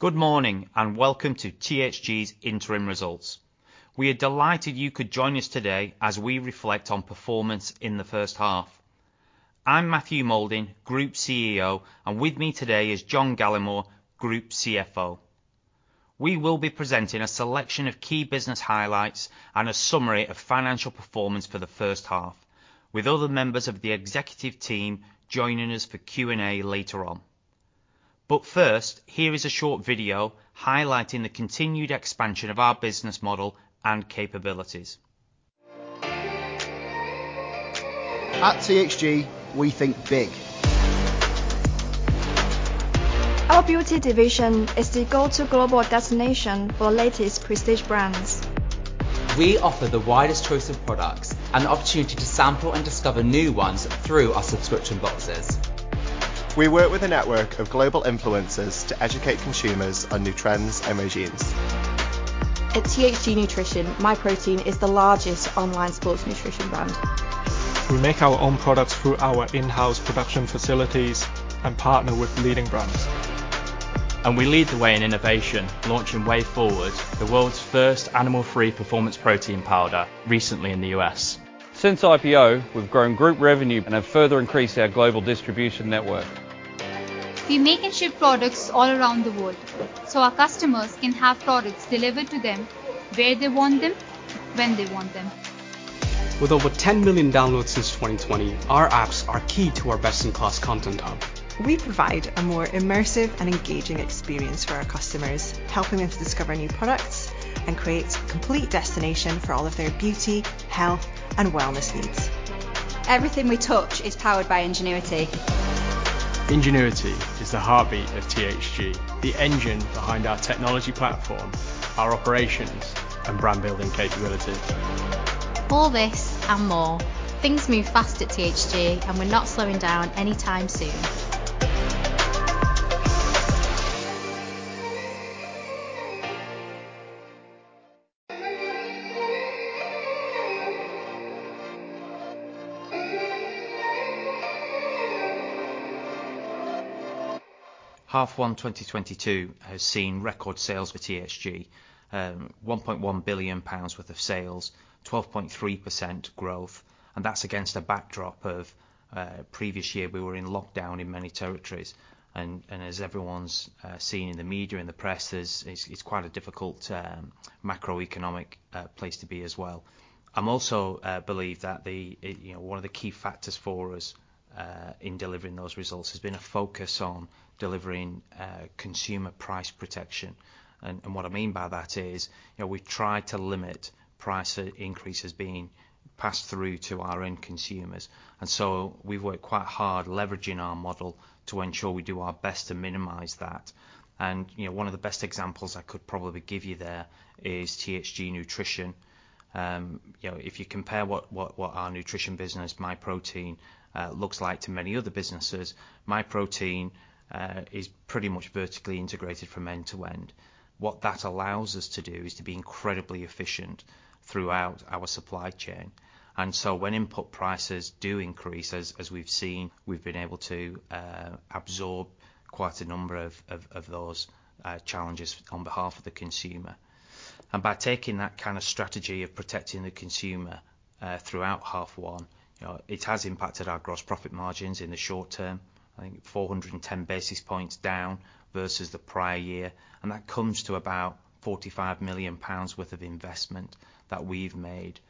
Good morning, and welcome to THG's interim results. We are delighted you could join us today as we reflect on performance in the first half. I'm Matthew Moulding, Group CEO, and with me today is John Gallemore, Group CFO. We will be presenting a selection of key business highlights and a summary of financial performance for the first half, with other members of the executive team joining us for Q&A later on. First, here is a short video highlighting the continued expansion of our business model and capabilities. At THG, we think big. Our beauty division is the go-to global destination for latest prestige brands. We offer the widest choice of products and the opportunity to sample and discover new ones through our subscription boxes. We work with a network of global influencers to educate consumers on new trends and regimes. At THG Nutrition, Myprotein is the largest online sports nutrition brand. We make our own products through our in-house production facilities and partner with leading brands. We lead the way in innovation, launching Whey Forward, the world's first animal-free performance protein powder recently in the U.S. Since IPO, we've grown group revenue and have further increased our global distribution network. We make and ship products all around the world, so our customers can have products delivered to them where they want them, when they want them. With over 10 million downloads since 2020, our apps are key to our best-in-class content hub. We provide a more immersive and engaging experience for our customers, helping them to discover new products and create a complete destination for all of their beauty, health, and wellness needs. Everything we touch is powered by Ingenuity. Ingenuity is the heartbeat of THG, the engine behind our technology platform, our operations, and brand-building capabilities. All this and more. Things move fast at THG, and we're not slowing down anytime soon. H1 2022 has seen record sales for THG. 1.1 billion pounds worth of sales, 12.3% growth, and that's against a backdrop of a previous year we were in lockdown in many territories. As everyone's seen in the media and the press, it's quite a difficult macroeconomic place to be as well. I also believe that you know, one of the key factors for us in delivering those results has been a focus on delivering consumer price protection. What I mean by that is, you know, we try to limit price increases being passed through to our end consumers. We've worked quite hard leveraging our model to ensure we do our best to minimize that. You know, one of the best examples I could probably give you there is THG Nutrition. You know, if you compare what our nutrition business, Myprotein, looks like to many other businesses, Myprotein is pretty much vertically integrated from end to end. What that allows us to do is to be incredibly efficient throughout our supply chain. When input prices do increase, as we've seen, we've been able to absorb quite a number of those challenges on behalf of the consumer. By taking that kind of strategy of protecting the consumer throughout half one, you know, it has impacted our gross profit margins in the short term. I think 410 basis points down versus the prior year, and that comes to about 45 million pounds worth of investment that we've made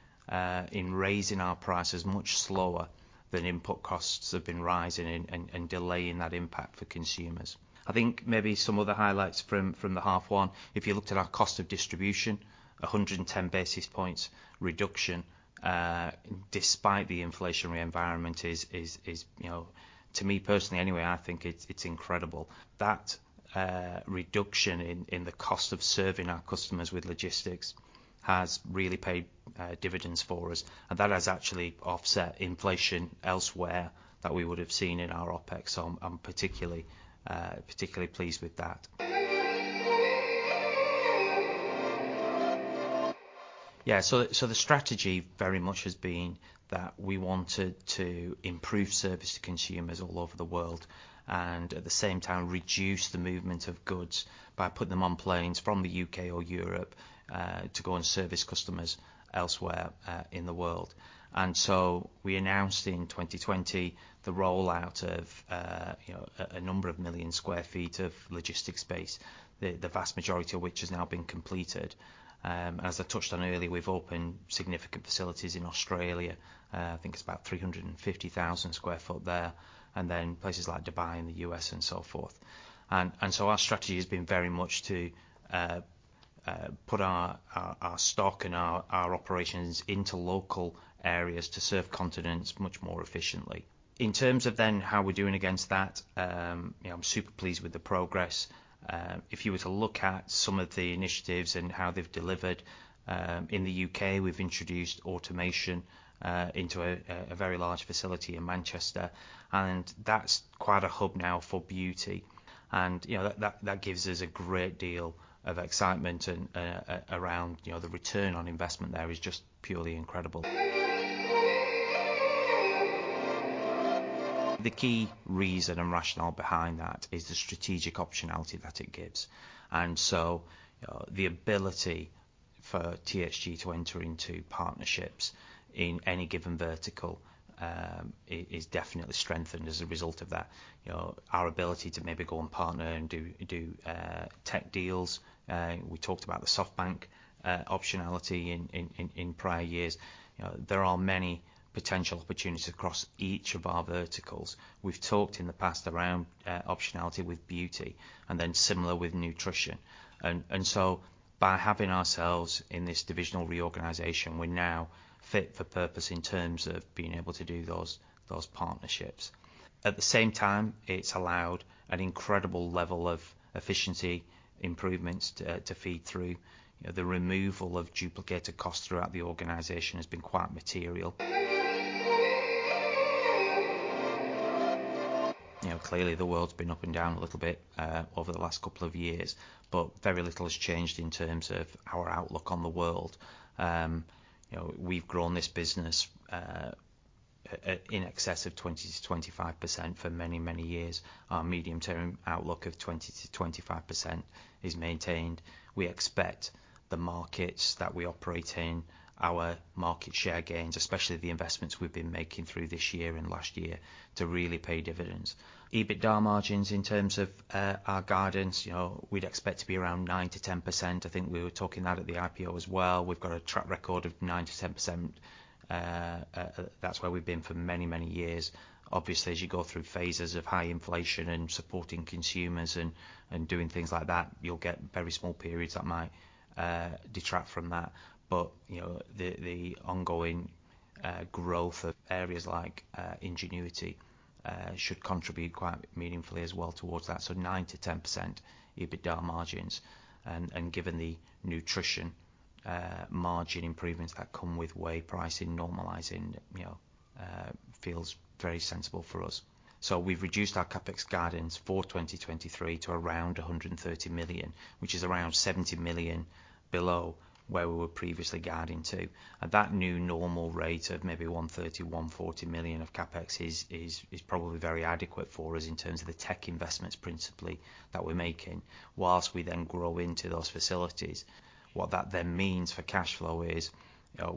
in raising our prices much slower than input costs have been rising and delaying that impact for consumers. I think maybe some other highlights from the half one. If you looked at our cost of distribution, 110 basis points reduction despite the inflationary environment is, you know, to me personally anyway, I think it's incredible. That reduction in the cost of serving our customers with logistics has really paid dividends for us, and that has actually offset inflation elsewhere that we would have seen in our OpEx, so I'm particularly pleased with that. The strategy very much has been that we wanted to improve service to consumers all over the world and at the same time reduce the movement of goods by putting them on planes from the U.K. Or Europe to go and service customers elsewhere in the world. We announced in 2020 the rollout of a number of million square feet of logistics space, the vast majority of which has now been completed. As I touched on earlier, we've opened significant facilities in Australia. I think it's about 350,000 sq ft there, and then places like Dubai and the U.S. and so forth. Our strategy has been very much to put our stock and our operations into local areas to serve continents much more efficiently. In terms of then how we're doing against that, you know, I'm super pleased with the progress. If you were to look at some of the initiatives and how they've delivered, in the U.K., we've introduced automation into a very large facility in Manchester, and that's quite a hub now for beauty. You know, that gives us a great deal of excitement around you know, the return on investment there is just purely incredible. The key reason and rationale behind that is the strategic optionality that it gives. The ability for THG to enter into partnerships in any given vertical is definitely strengthened as a result of that. You know, our ability to maybe go and partner and do tech deals, we talked about the SoftBank optionality in prior years. You know, there are many potential opportunities across each of our verticals. We've talked in the past around optionality with beauty and then similar with nutrition. By having ourselves in this divisional reorganization, we're now fit for purpose in terms of being able to do those partnerships. At the same time, it's allowed an incredible level of efficiency improvements to feed through. You know, the removal of duplicated costs throughout the organization has been quite material. You know, clearly the world's been up and down a little bit over the last couple of years, but very little has changed in terms of our outlook on the world. You know, we've grown this business in excess of 20%-25% for many, many years. Our medium-term outlook of 20%-25% is maintained. We expect the markets that we operate in, our market share gains, especially the investments we've been making through this year and last year to really pay dividends. EBITDA margins in terms of our guidance, you know, we'd expect to be around 9%-10%. I think we were talking that at the IPO as well. We've got a track record of 9%-10%. That's where we've been for many, many years. Obviously, as you go through phases of high inflation and supporting consumers and doing things like that, you'll get very small periods that might detract from that. You know, the ongoing growth of areas like Ingenuity should contribute quite meaningfully as well towards that. 9%-10% EBITDA margins. Given the nutrition, margin improvements that come with whey pricing normalizing, you know, feels very sensible for us. We've reduced our CapEx guidance for 2023 to around 130 million, which is around 70 million below where we were previously guiding to. That new normal rate of maybe 130 million-140 million of CapEx is probably very adequate for us in terms of the tech investments principally that we're making, while we then grow into those facilities. What that then means for cash flow is,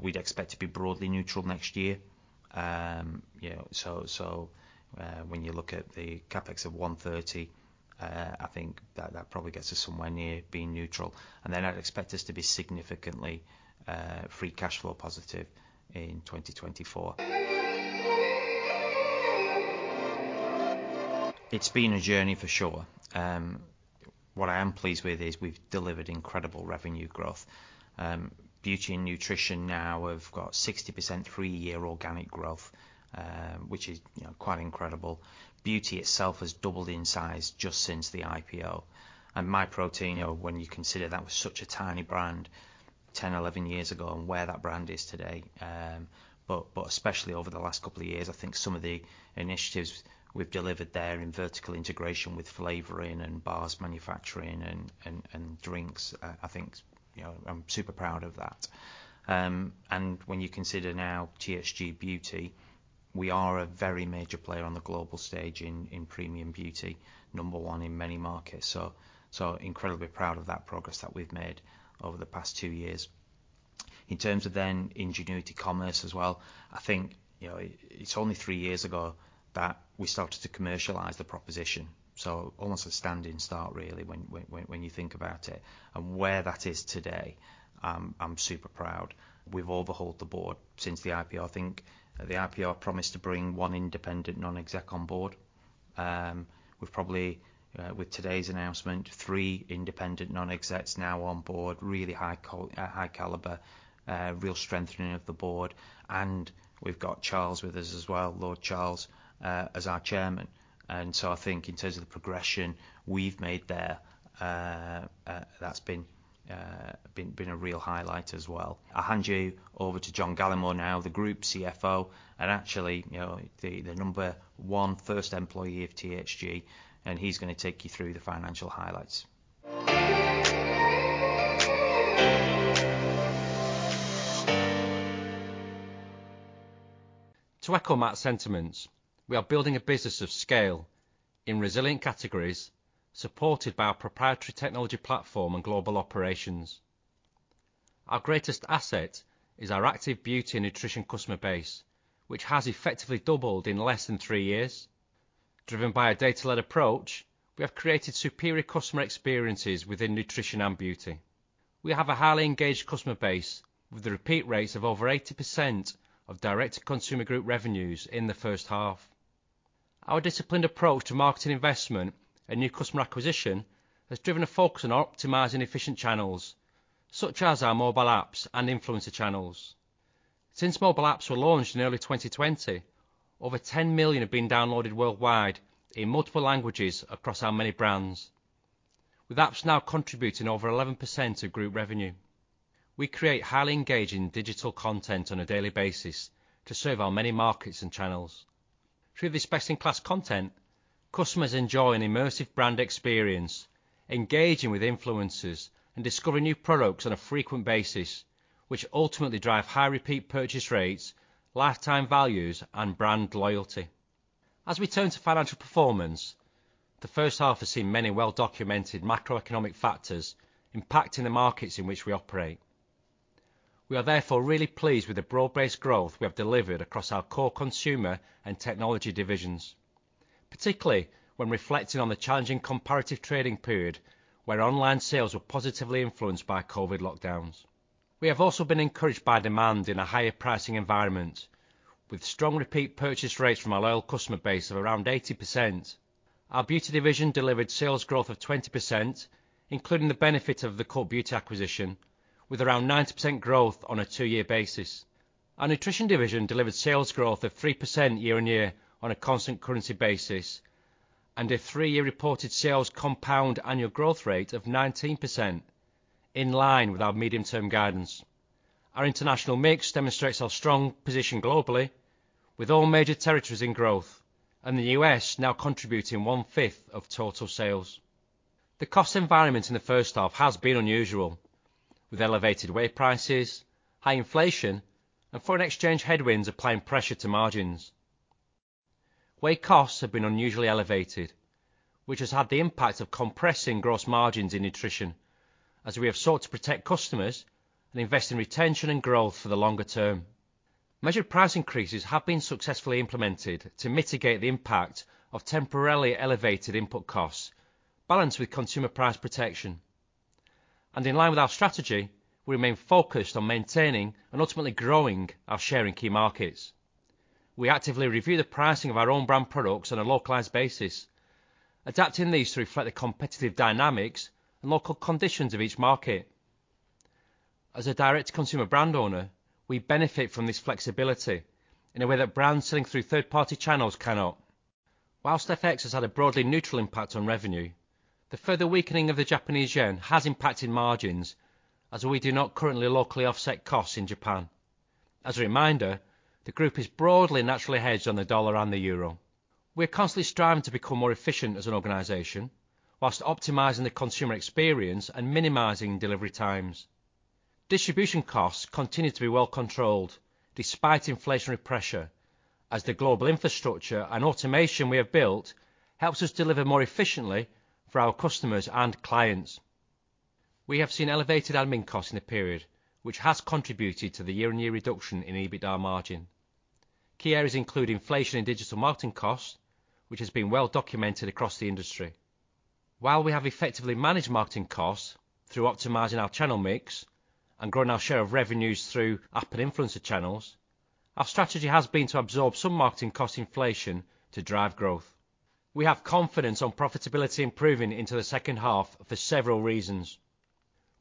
we'd expect to be broadly neutral next year. You know, so when you look at the CapEx of 130 million, I think that probably gets us somewhere near being neutral. Then I'd expect us to be significantly free cash flow positive in 2024. It's been a journey for sure. What I am pleased with is we've delivered incredible revenue growth. Beauty and Nutrition now have got 60% three-year organic growth, which is, you know, quite incredible. Beauty itself has doubled in size just since the IPO. Myprotein, you know, when you consider that was such a tiny brand 10, 11 years ago and where that brand is today, but especially over the last couple of years, I think some of the initiatives we've delivered there in vertical integration with flavoring and bars manufacturing and drinks, I think, you know, I'm super proud of that. When you consider now THG Beauty, we are a very major player on the global stage in premium beauty, number one in many markets. Incredibly proud of that progress that we've made over the past two years. In terms of Ingenuity Commerce as well, I think, you know, it's only three years ago that we started to commercialize the proposition. Almost a standing start really when you think about it. Where that is today, I'm super proud. We've overhauled the board since the IPO. I think at the IPO I promised to bring one independent non-exec on board. We've probably, with today's announcement, three independent non-execs now on board, really high caliber, real strengthening of the board. We've got Charles with us as well, Lord Charles, as our chairman. I think in terms of the progression we've made there, that's been a real highlight as well. I'll hand you over to John Gallemore now, the Group CFO, and actually, you know, the number one first employee of THG, and he's gonna take you through the financial highlights. To echo Matt's sentiments, we are building a business of scale in resilient categories, supported by our proprietary technology platform and global operations. Our greatest asset is our active beauty and nutrition customer base, which has effectively doubled in less than three years. Driven by a data-led approach, we have created superior customer experiences within nutrition and beauty. We have a highly engaged customer base with a repeat rate of over 80% of direct consumer group revenues in the first half. Our disciplined approach to marketing investment and new customer acquisition has driven a focus on optimizing efficient channels, such as our mobile apps and influencer channels. Since mobile apps were launched in early 2020, over 10 million have been downloaded worldwide in multiple languages across our many brands, with apps now contributing over 11% of group revenue. We create highly engaging digital content on a daily basis to serve our many markets and channels. Through this best-in-class content, customers enjoy an immersive brand experience, engaging with influencers and discovering new products on a frequent basis, which ultimately drive high repeat purchase rates, lifetime values, and brand loyalty. As we turn to financial performance, the first half has seen many well-documented macroeconomic factors impacting the markets in which we operate. We are therefore really pleased with the broad-based growth we have delivered across our core consumer and technology divisions, particularly when reflecting on the challenging comparative trading period where online sales were positively influenced by COVID lockdowns. We have also been encouraged by demand in a higher pricing environment with strong repeat purchase rates from our loyal customer base of around 80%. Our beauty division delivered sales growth of 20%, including the benefit of the Cult Beauty acquisition with around 90% growth on a two year basis. Our nutrition division delivered sales growth of 3% year-on-year on a constant currency basis, and a three year reported sales compound annual growth rate of 19% in line with our medium-term guidance. Our international mix demonstrates our strong position globally with all major territories in growth and the U.S. now contributing one-fifth of total sales. The cost environment in the first half has been unusual with elevated whey prices, high inflation and foreign exchange headwinds applying pressure to margins. Whey costs have been unusually elevated, which has had the impact of compressing gross margins in nutrition as we have sought to protect customers and invest in retention and growth for the longer term. Measured price increases have been successfully implemented to mitigate the impact of temporarily elevated input costs balanced with consumer price protection. In line with our strategy, we remain focused on maintaining and ultimately growing our share in key markets. We actively review the pricing of our own brand products on a localized basis, adapting these to reflect the competitive dynamics and local conditions of each market. As a direct-to-consumer brand owner, we benefit from this flexibility in a way that brands selling through third-party channels cannot. While FX has had a broadly neutral impact on revenue, the further weakening of the Japanese yen has impacted margins as we do not currently locally offset costs in Japan. As a reminder, the group is broadly naturally hedged on the dollar and the euro. We are constantly striving to become more efficient as an organization while optimizing the consumer experience and minimizing delivery times. Distribution costs continue to be well controlled despite inflationary pressure as the global infrastructure and automation we have built helps us deliver more efficiently for our customers and clients. We have seen elevated admin costs in the period, which has contributed to the year-over-year reduction in EBITDA margin. Key areas include inflation in digital marketing costs, which has been well documented across the industry. While we have effectively managed marketing costs through optimizing our channel mix and growing our share of revenues through app and influencer channels, our strategy has been to absorb some marketing cost inflation to drive growth. We have confidence on profitability improving into the second half for several reasons.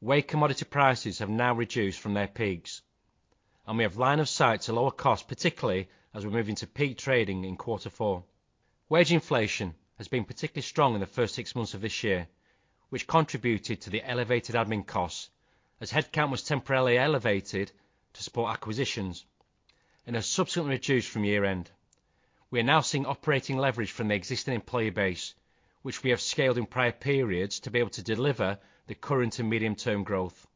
Whey commodity prices have now reduced from their peaks, and we have line of sight to lower costs, particularly as we move into peak trading in quarter four. Wage inflation has been particularly strong in the first six months of this year, which contributed to the elevated admin costs as headcount was temporarily elevated to support acquisitions and has subsequently reduced from year-end. We are now seeing operating leverage from the existing employee base, which we have scaled in prior periods to be able to deliver the current and medium-term growth.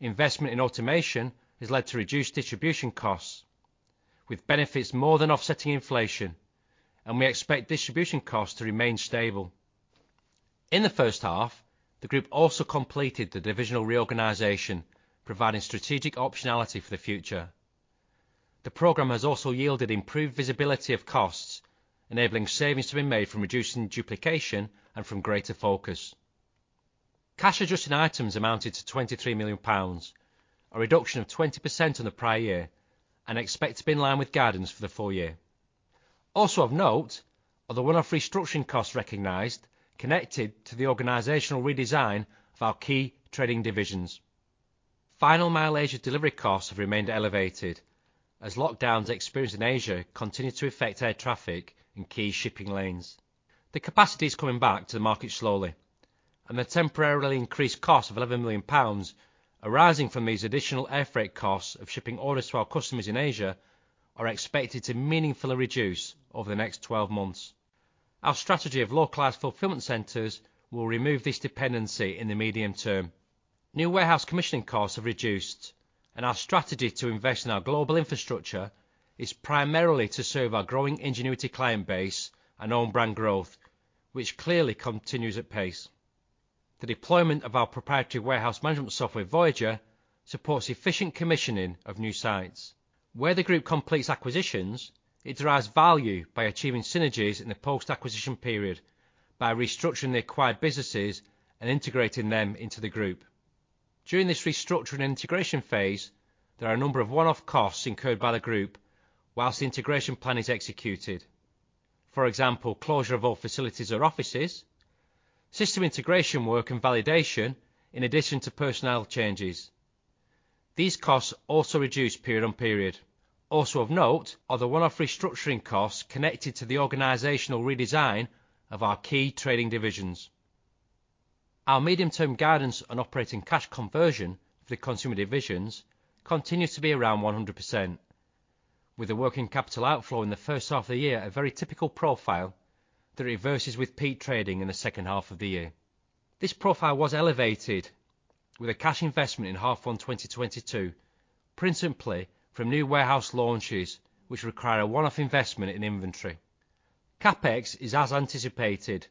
Investment in automation has led to reduced distribution costs with benefits more than offsetting inflation, and we expect distribution costs to remain stable. In the first half, the group also completed the divisional reorganization, providing strategic optionality for the future. The program has also yielded improved visibility of costs, enabling savings to be made from reducing duplication and from greater focus. Cash adjusting items amounted to 23 million pounds, a reduction of 20% on the prior year, and expected to be in line with guidance for the full year. Also of note are the one-off restructuring costs recognized connected to the organizational redesign of our key trading divisions. Final mile Asia delivery costs have remained elevated as lockdowns experienced in Asia continue to affect air traffic in key shipping lanes. The capacity is coming back to the market slowly, and the temporarily increased cost of 11 million pounds arising from these additional air freight costs of shipping orders to our customers in Asia are expected to meaningfully reduce over the next 12 months. Our strategy of localized fulfillment centers will remove this dependency in the medium term. New warehouse commissioning costs have reduced, and our strategy to invest in our global infrastructure is primarily to serve our growing Ingenuity client base and own brand growth, which clearly continues at pace. The deployment of our proprietary warehouse management software, Voyager, supports efficient commissioning of new sites. Where the group completes acquisitions, it derives value by achieving synergies in the post-acquisition period by restructuring the acquired businesses and integrating them into the group. During this restructuring and integration phase, there are a number of one-off costs incurred by the group while the integration plan is executed. For example, closure of all facilities or offices, system integration work and validation in addition to personnel changes. These costs also reduce period-on-period. Also of note are the one-off restructuring costs connected to the organizational redesign of our key trading divisions. Our medium-term guidance on operating cash conversion for the consumer divisions continues to be around 100%, with the working capital outflow in the first half of the year a very typical profile that reverses with peak trading in the second half of the year. This profile was elevated with a cash investment in H1 2022, principally from new warehouse launches, which require a one-off investment in inventory. CapEx is as anticipated,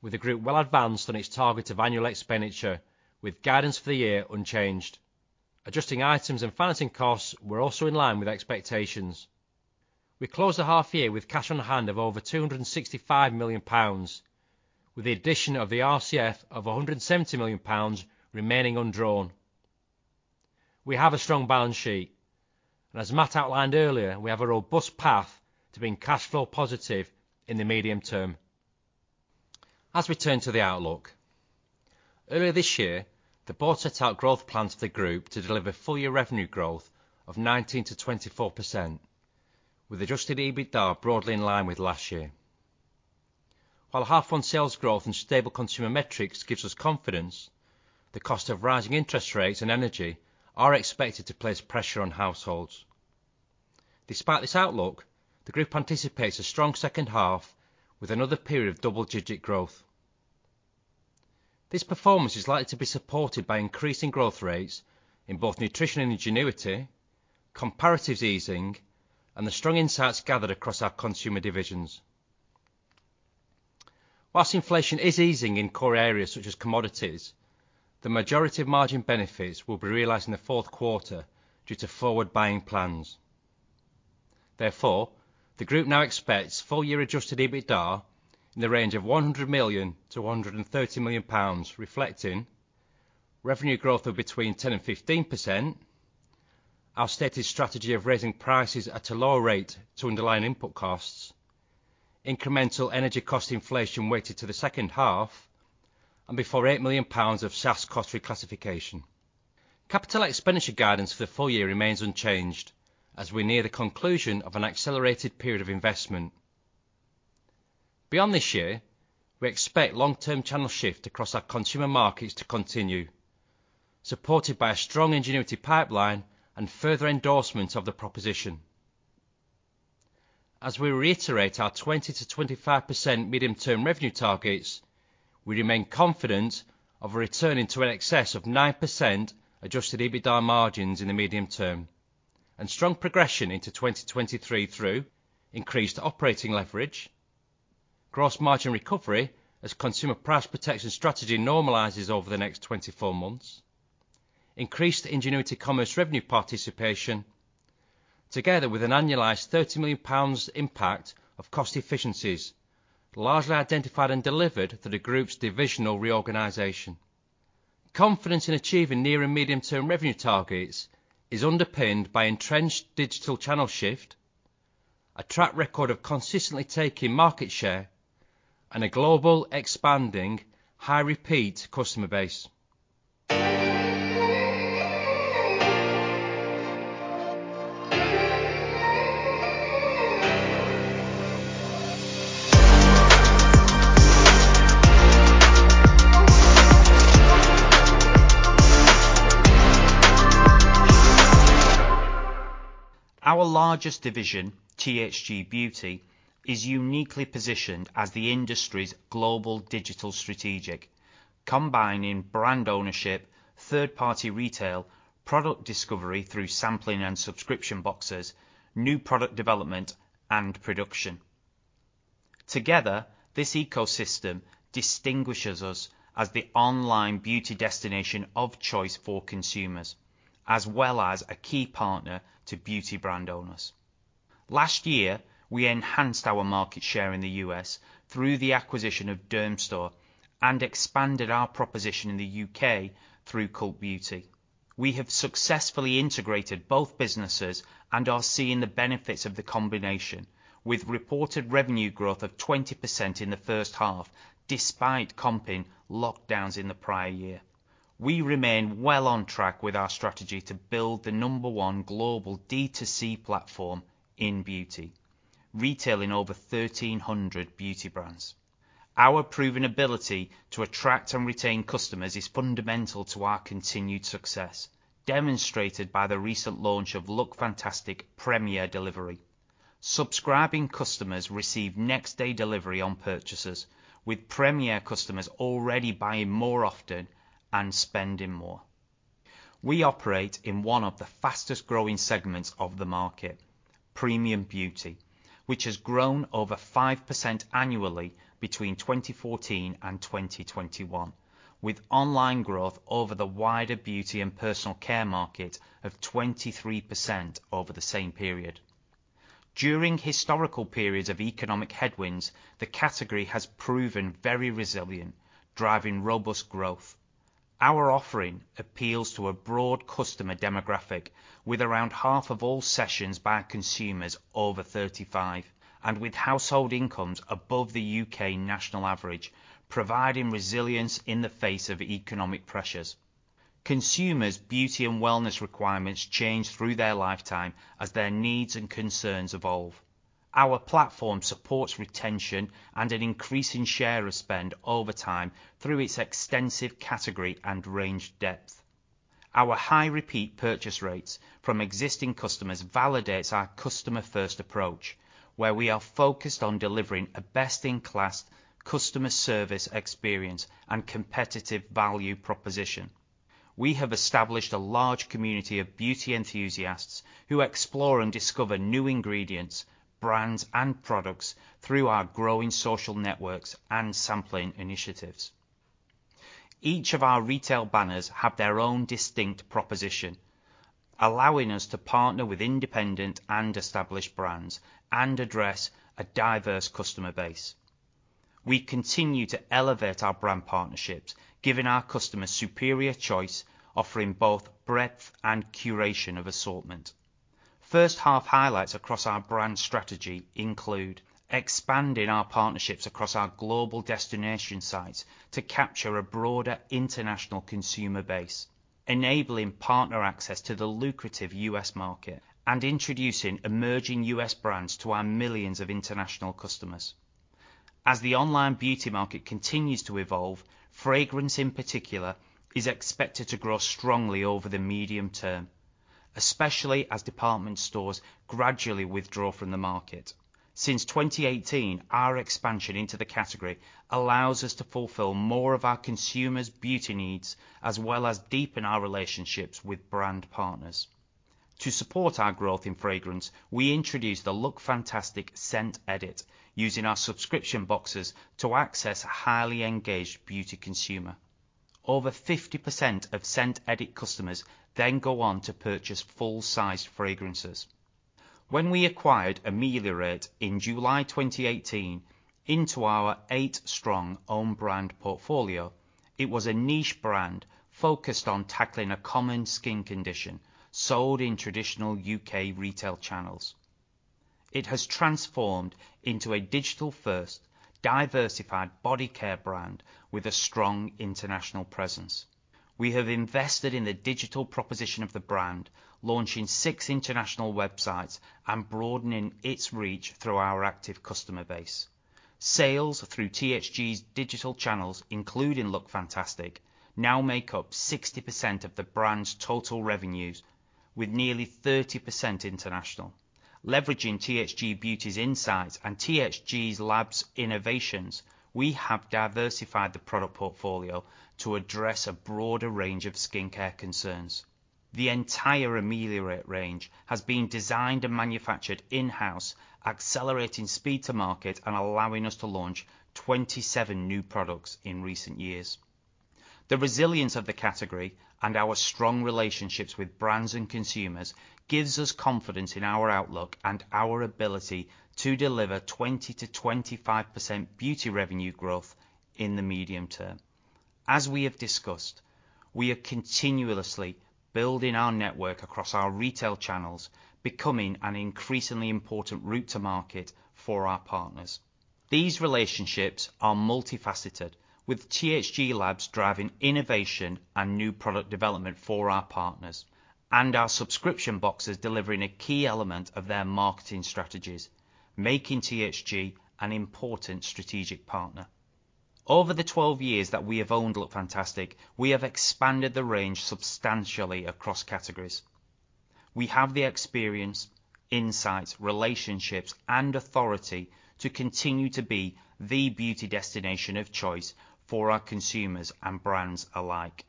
with the group well advanced on its target of annual expenditure, with guidance for the year unchanged. Adjusting items and financing costs were also in line with expectations. We closed the half year with cash on hand of over 265 million pounds, with the addition of the RCF of 170 million pounds remaining undrawn. We have a strong balance sheet, and as Matt outlined earlier, we have a robust path to being cash flow positive in the medium term. As we turn to the outlook, earlier this year, the board set out growth plans for the group to deliver full-year revenue growth of 19%-24%, with adjusted EBITDA broadly in line with last year. While half one sales growth and stable consumer metrics gives us confidence, the cost of rising interest rates and energy are expected to place pressure on households. Despite this outlook, the group anticipates a strong second half with another period of double-digit growth. This performance is likely to be supported by increasing growth rates in both nutrition and ingenuity, comparatives easing, and the strong insights gathered across our consumer divisions. While inflation is easing in core areas such as commodities, the majority of margin benefits will be realized in the fourth quarter due to forward buying plans. Therefore, the group now expects full-year adjusted EBITDA in the range of 100 million-130 million pounds, reflecting revenue growth of between 10% and 15%, our stated strategy of raising prices at a lower rate to underlying input costs, incremental energy cost inflation weighted to the second half, and before 8 million pounds of SaaS cost reclassification. CapEx guidance for the full year remains unchanged as we near the conclusion of an accelerated period of investment. Beyond this year, we expect long-term channel shift across our consumer markets to continue, supported by a strong Ingenuity pipeline and further endorsement of the proposition. As we reiterate our 20%-25% medium-term revenue targets, we remain confident of returning to an excess of 9% adjusted EBITDA margins in the medium term and strong progression into 2023 through increased operating leverage, gross margin recovery as consumer price protection strategy normalizes over the next 24 months, increased Ingenuity Commerce revenue participation together with an annualized 30 million pounds impact of cost efficiencies, largely identified and delivered through the group's divisional reorganization. Confidence in achieving near and medium-term revenue targets is underpinned by entrenched digital channel shift, a track record of consistently taking market share, and a global expanding high repeat customer base. Our largest division, THG Beauty, is uniquely positioned as the industry's global digital strategy, combining brand ownership, third-party retail, product discovery through sampling and subscription boxes, new product development, and production. Together, this ecosystem distinguishes us as the online beauty destination of choice for consumers, as well as a key partner to beauty brand owners. Last year, we enhanced our market share in the U.S. through the acquisition of Dermstore and expanded our proposition in the U.K. through Cult Beauty. We have successfully integrated both businesses and are seeing the benefits of the combination with reported revenue growth of 20% in the first half despite comping lockdowns in the prior year. We remain well on track with our strategy to build the number one global D2C platform in beauty, retailing over 1,300 beauty brands. Our proven ability to attract and retain customers is fundamental to our continued success, demonstrated by the recent launch of LOOKFANTASTIC Premier Delivery. Subscribing customers receive next-day delivery on purchases, with Premier customers already buying more often and spending more. We operate in one of the fastest-growing segments of the market, premium beauty, which has grown over 5% annually between 2014 and 2021, with online growth over the wider beauty and personal care market of 23% over the same period. During historical periods of economic headwinds, the category has proven very resilient, driving robust growth. Our offering appeals to a broad customer demographic with around half of all sessions by consumers over 35 and with household incomes above the U.K. national average, providing resilience in the face of economic pressures. Consumers' beauty and wellness requirements change through their lifetime as their needs and concerns evolve. Our platform supports retention and an increasing share of spend over time through its extensive category and range depth. Our high repeat purchase rates from existing customers validates our customer-first approach, where we are focused on delivering a best-in-class customer service experience and competitive value proposition. We have established a large community of beauty enthusiasts who explore and discover new ingredients, brands, and products through our growing social networks and sampling initiatives. Each of our retail banners have their own distinct proposition, allowing us to partner with independent and established brands and address a diverse customer base. We continue to elevate our brand partnerships, giving our customers superior choice, offering both breadth and curation of assortment. First half highlights across our brand strategy include expanding our partnerships across our global destination sites to capture a broader international consumer base, enabling partner access to the lucrative U.S. market, and introducing emerging U.S. brands to our millions of international customers. As the online beauty market continues to evolve, fragrance in particular is expected to grow strongly over the medium term, especially as department stores gradually withdraw from the market. Since 2018, our expansion into the category allows us to fulfill more of our consumers' beauty needs, as well as deepen our relationships with brand partners. To support our growth in fragrance, we introduced the LOOKFANTASTIC Scent Edit using our subscription boxes to access a highly engaged beauty consumer. Over 50% of Scent Edit customers then go on to purchase full-sized fragrances. When we acquired Ameliorate in July 2018 into our eight strong own brand portfolio, it was a niche brand focused on tackling a common skin condition sold in traditional U.K. retail channels. It has transformed into a digital-first diversified body care brand with a strong international presence. We have invested in the digital proposition of the brand, launching six international websites and broadening its reach through our active customer base. Sales through THG's digital channels, including LOOKFANTASTIC, now make up 60% of the brand's total revenues, with nearly 30% international. Leveraging THG Beauty's insights and THG LABS's innovations, we have diversified the product portfolio to address a broader range of skincare concerns. The entire Ameliorate range has been designed and manufactured in-house, accelerating speed to market and allowing us to launch 27 new products in recent years. The resilience of the category and our strong relationships with brands and consumers gives us confidence in our outlook and our ability to deliver 20%-25% beauty revenue growth in the medium term. As we have discussed, we are continuously building our network across our retail channels, becoming an increasingly important route to market for our partners. These relationships are multifaceted, with THG LABS driving innovation and new product development for our partners and our subscription boxes delivering a key element of their marketing strategies, making THG an important strategic partner. Over the 12 years that we have owned LOOKFANTASTIC, we have expanded the range substantially across categories. We have the experience, insights, relationships, and authority to continue to be the beauty destination of choice for our consumers and brands alike.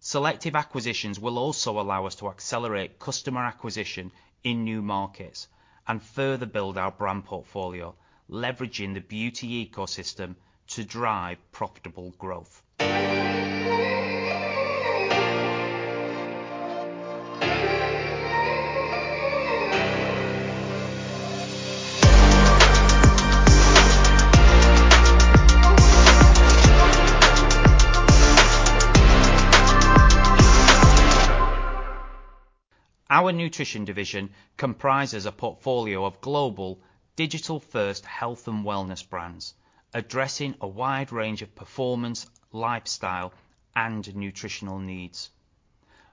Selective acquisitions will also allow us to accelerate customer acquisition in new markets and further build our brand portfolio, leveraging the beauty ecosystem to drive profitable growth. Our nutrition division comprises a portfolio of global digital-first health and wellness brands addressing a wide range of performance, lifestyle, and nutritional needs.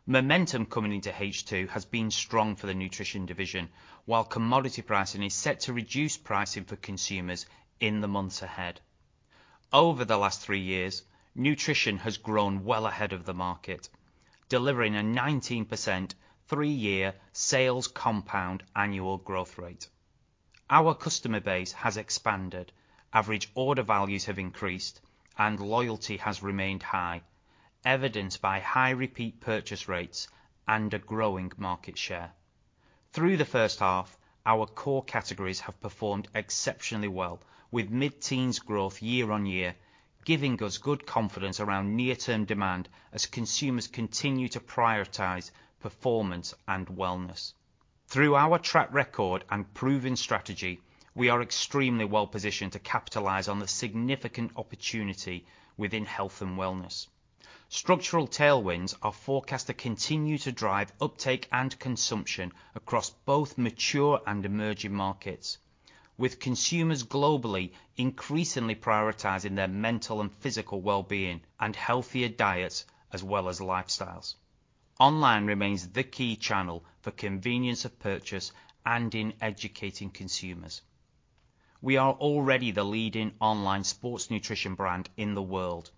Momentum coming into H2 has been strong for the nutrition division, while commodity pricing is set to reduce pricing for consumers in the months ahead. Over the last three years, nutrition has grown well ahead of the market, delivering a 19% three-year sales compound annual growth rate. Our customer base has expanded, average order values have increased, and loyalty has remained high, evidenced by high repeat purchase rates and a growing market share. Through the first half, our core categories have performed exceptionally well, with mid-teens growth year-on-year, giving us good confidence around near-term demand as consumers continue to prioritize performance and wellness. Through our track record and proven strategy, we are extremely well positioned to capitalize on the significant opportunity within health and wellness. Structural tailwinds are forecast to continue to drive uptake and consumption across both mature and emerging markets. With consumers globally increasingly prioritizing their mental and physical well-being and healthier diets as well as lifestyles. Online remains the key channel for convenience of purchase and in educating consumers. We are already the leading online sports nutrition brand in the world,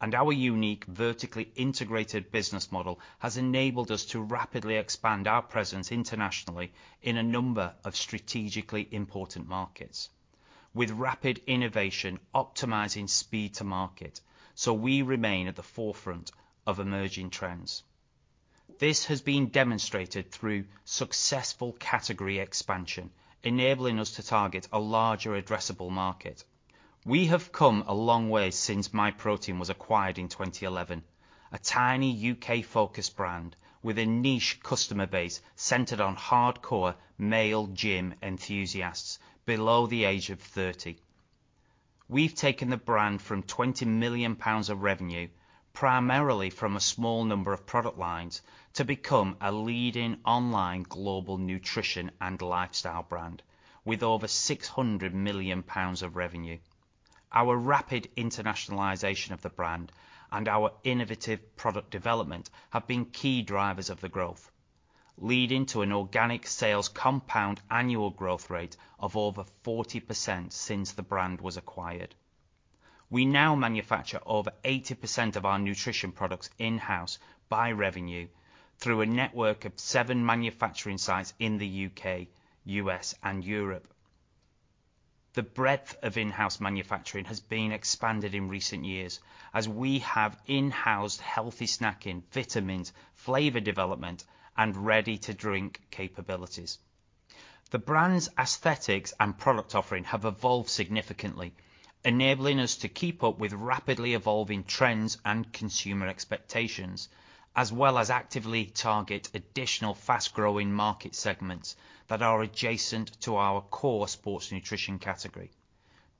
and our unique vertically integrated business model has enabled us to rapidly expand our presence internationally in a number of strategically important markets with rapid innovation optimizing speed to market, so we remain at the forefront of emerging trends. This has been demonstrated through successful category expansion, enabling us to target a larger addressable market. We have come a long way since Myprotein was acquired in 2011. A tiny U.K. Focused brand with a niche customer base centered on hardcore male gym enthusiasts below the age of thirty. We've taken the brand from 20 million pounds of revenue, primarily from a small number of product lines to become a leading online global nutrition and lifestyle brand with over 600 million pounds of revenue. Our rapid internationalization of the brand and our innovative product development have been key drivers of the growth, leading to an organic sales compound annual growth rate of over 40% since the brand was acquired. We now manufacture over 80% of our nutrition products in-house by revenue through a network of seven manufacturing sites in the U.K., U.S. and Europe. The breadth of in-house manufacturing has been expanded in recent years as we have in-house healthy snacking, vitamins, flavor development and ready-to-drink capabilities. The brand's aesthetics and product offering have evolved significantly, enabling us to keep up with rapidly evolving trends and consumer expectations, as well as actively target additional fast-growing market segments that are adjacent to our core sports nutrition category.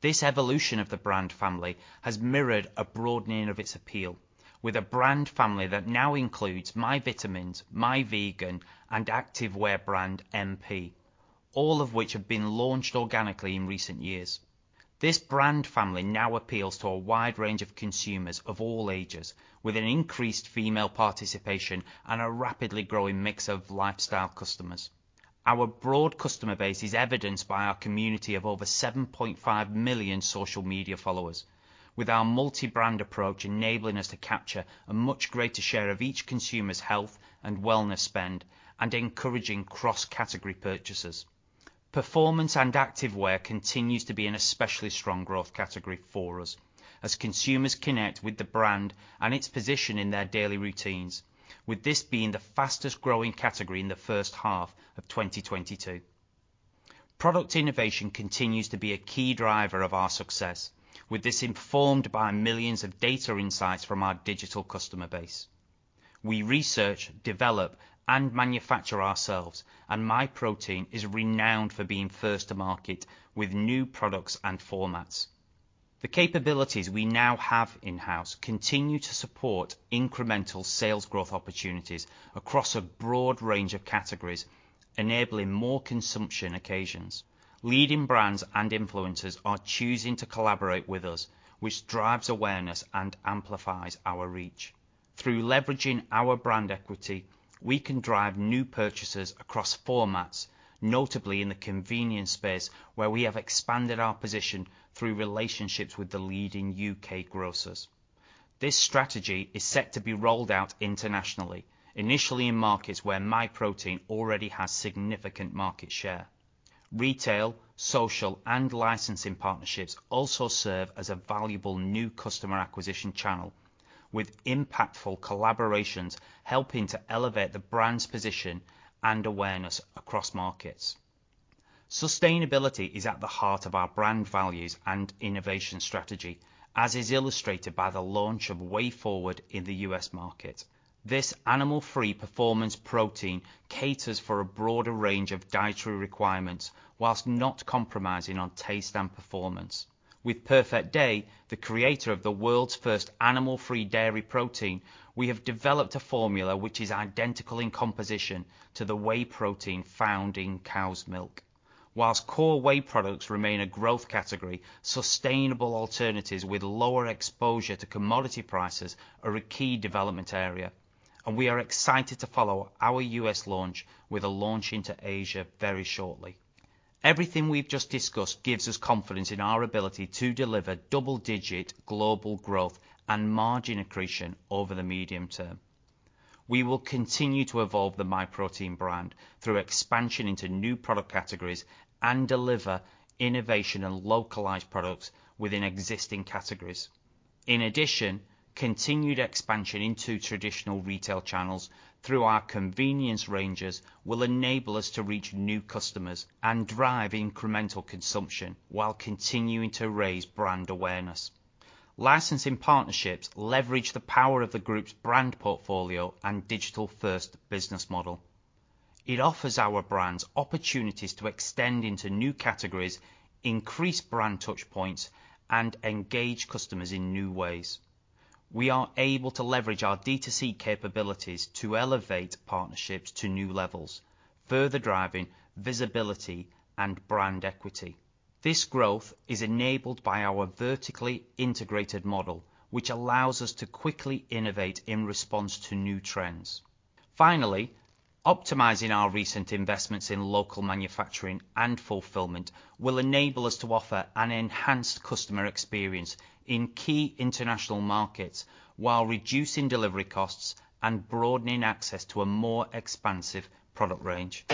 This evolution of the brand family has mirrored a broadening of its appeal with a brand family that now includes Myvitamins, Myvegan, and MP Activewear, all of which have been launched organically in recent years. This brand family now appeals to a wide range of consumers of all ages, with an increased female participation and a rapidly growing mix of lifestyle customers. Our broad customer base is evidenced by our community of over 7.5 million social media followers. With our multi-brand approach enabling us to capture a much greater share of each consumer's health and wellness spend and encouraging cross-category purchases. Performance and activewear continues to be an especially strong growth category for us as consumers connect with the brand and its position in their daily routines. With this being the fastest growing category in the first half of 2022. Product innovation continues to be a key driver of our success, with this informed by millions of data insights from our digital customer base. We research, develop and manufacture ourselves. Myprotein is renowned for being first to market with new products and formats. The capabilities we now have in-house continue to support incremental sales growth opportunities across a broad range of categories, enabling more consumption occasions. Leading brands and influencers are choosing to collaborate with us, which drives awareness and amplifies our reach. Through leveraging our brand equity, we can drive new purchases across formats, notably in the convenience space where we have expanded our position through relationships with the leading U.K. grocers. This strategy is set to be rolled out internationally. Initially, in markets where Myprotein already has significant market share. Retail, social and licensing partnerships also serve as a valuable new customer acquisition channel, with impactful collaborations helping to elevate the brand's position and awareness across markets. Sustainability is at the heart of our brand values and innovation strategy, as is illustrated by the launch of Whey Forward in the U.S. market. This animal-free performance protein caters for a broader range of dietary requirements while not compromising on taste and performance. With Perfect Day, the creator of the world's first animal-free dairy protein, we have developed a formula which is identical in composition to the whey protein found in cow's milk. While core whey products remain a growth category, sustainable alternatives with lower exposure to commodity prices are a key development area, and we are excited to follow our U.S. launch with a launch into Asia very shortly. Everything we've just discussed gives us confidence in our ability to deliver double-digit global growth and margin accretion over the medium term. We will continue to evolve the Myprotein brand through expansion into new product categories and deliver innovation and localized products within existing categories. In addition, continued expansion into traditional retail channels through our convenience ranges will enable us to reach new customers and drive incremental consumption while continuing to raise brand awareness. Licensing partnerships leverage the power of the group's brand portfolio and digital-first business model. It offers our brands opportunities to extend into new categories, increase brand touch points, and engage customers in new ways. We are able to leverage our D2C capabilities to elevate partnerships to new levels, further driving visibility and brand equity. This growth is enabled by our vertically integrated model, which allows us to quickly innovate in response to new trends. Finally, optimizing our recent investments in local manufacturing and fulfillment will enable us to offer an enhanced customer experience in key international markets while reducing delivery costs and broadening access to a more expansive product range.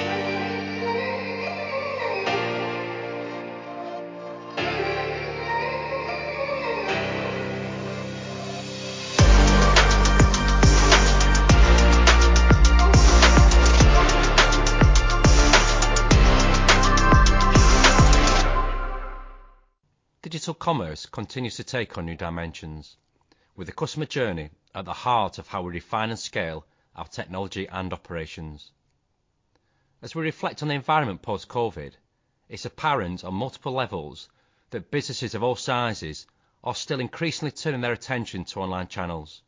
Digital commerce continues to take on new dimensions with the customer journey at the heart of how we refine and scale our technology and operations. As we reflect on the environment post-COVID, it's apparent on multiple levels that businesses of all sizes are still increasingly turning their attention to online channels.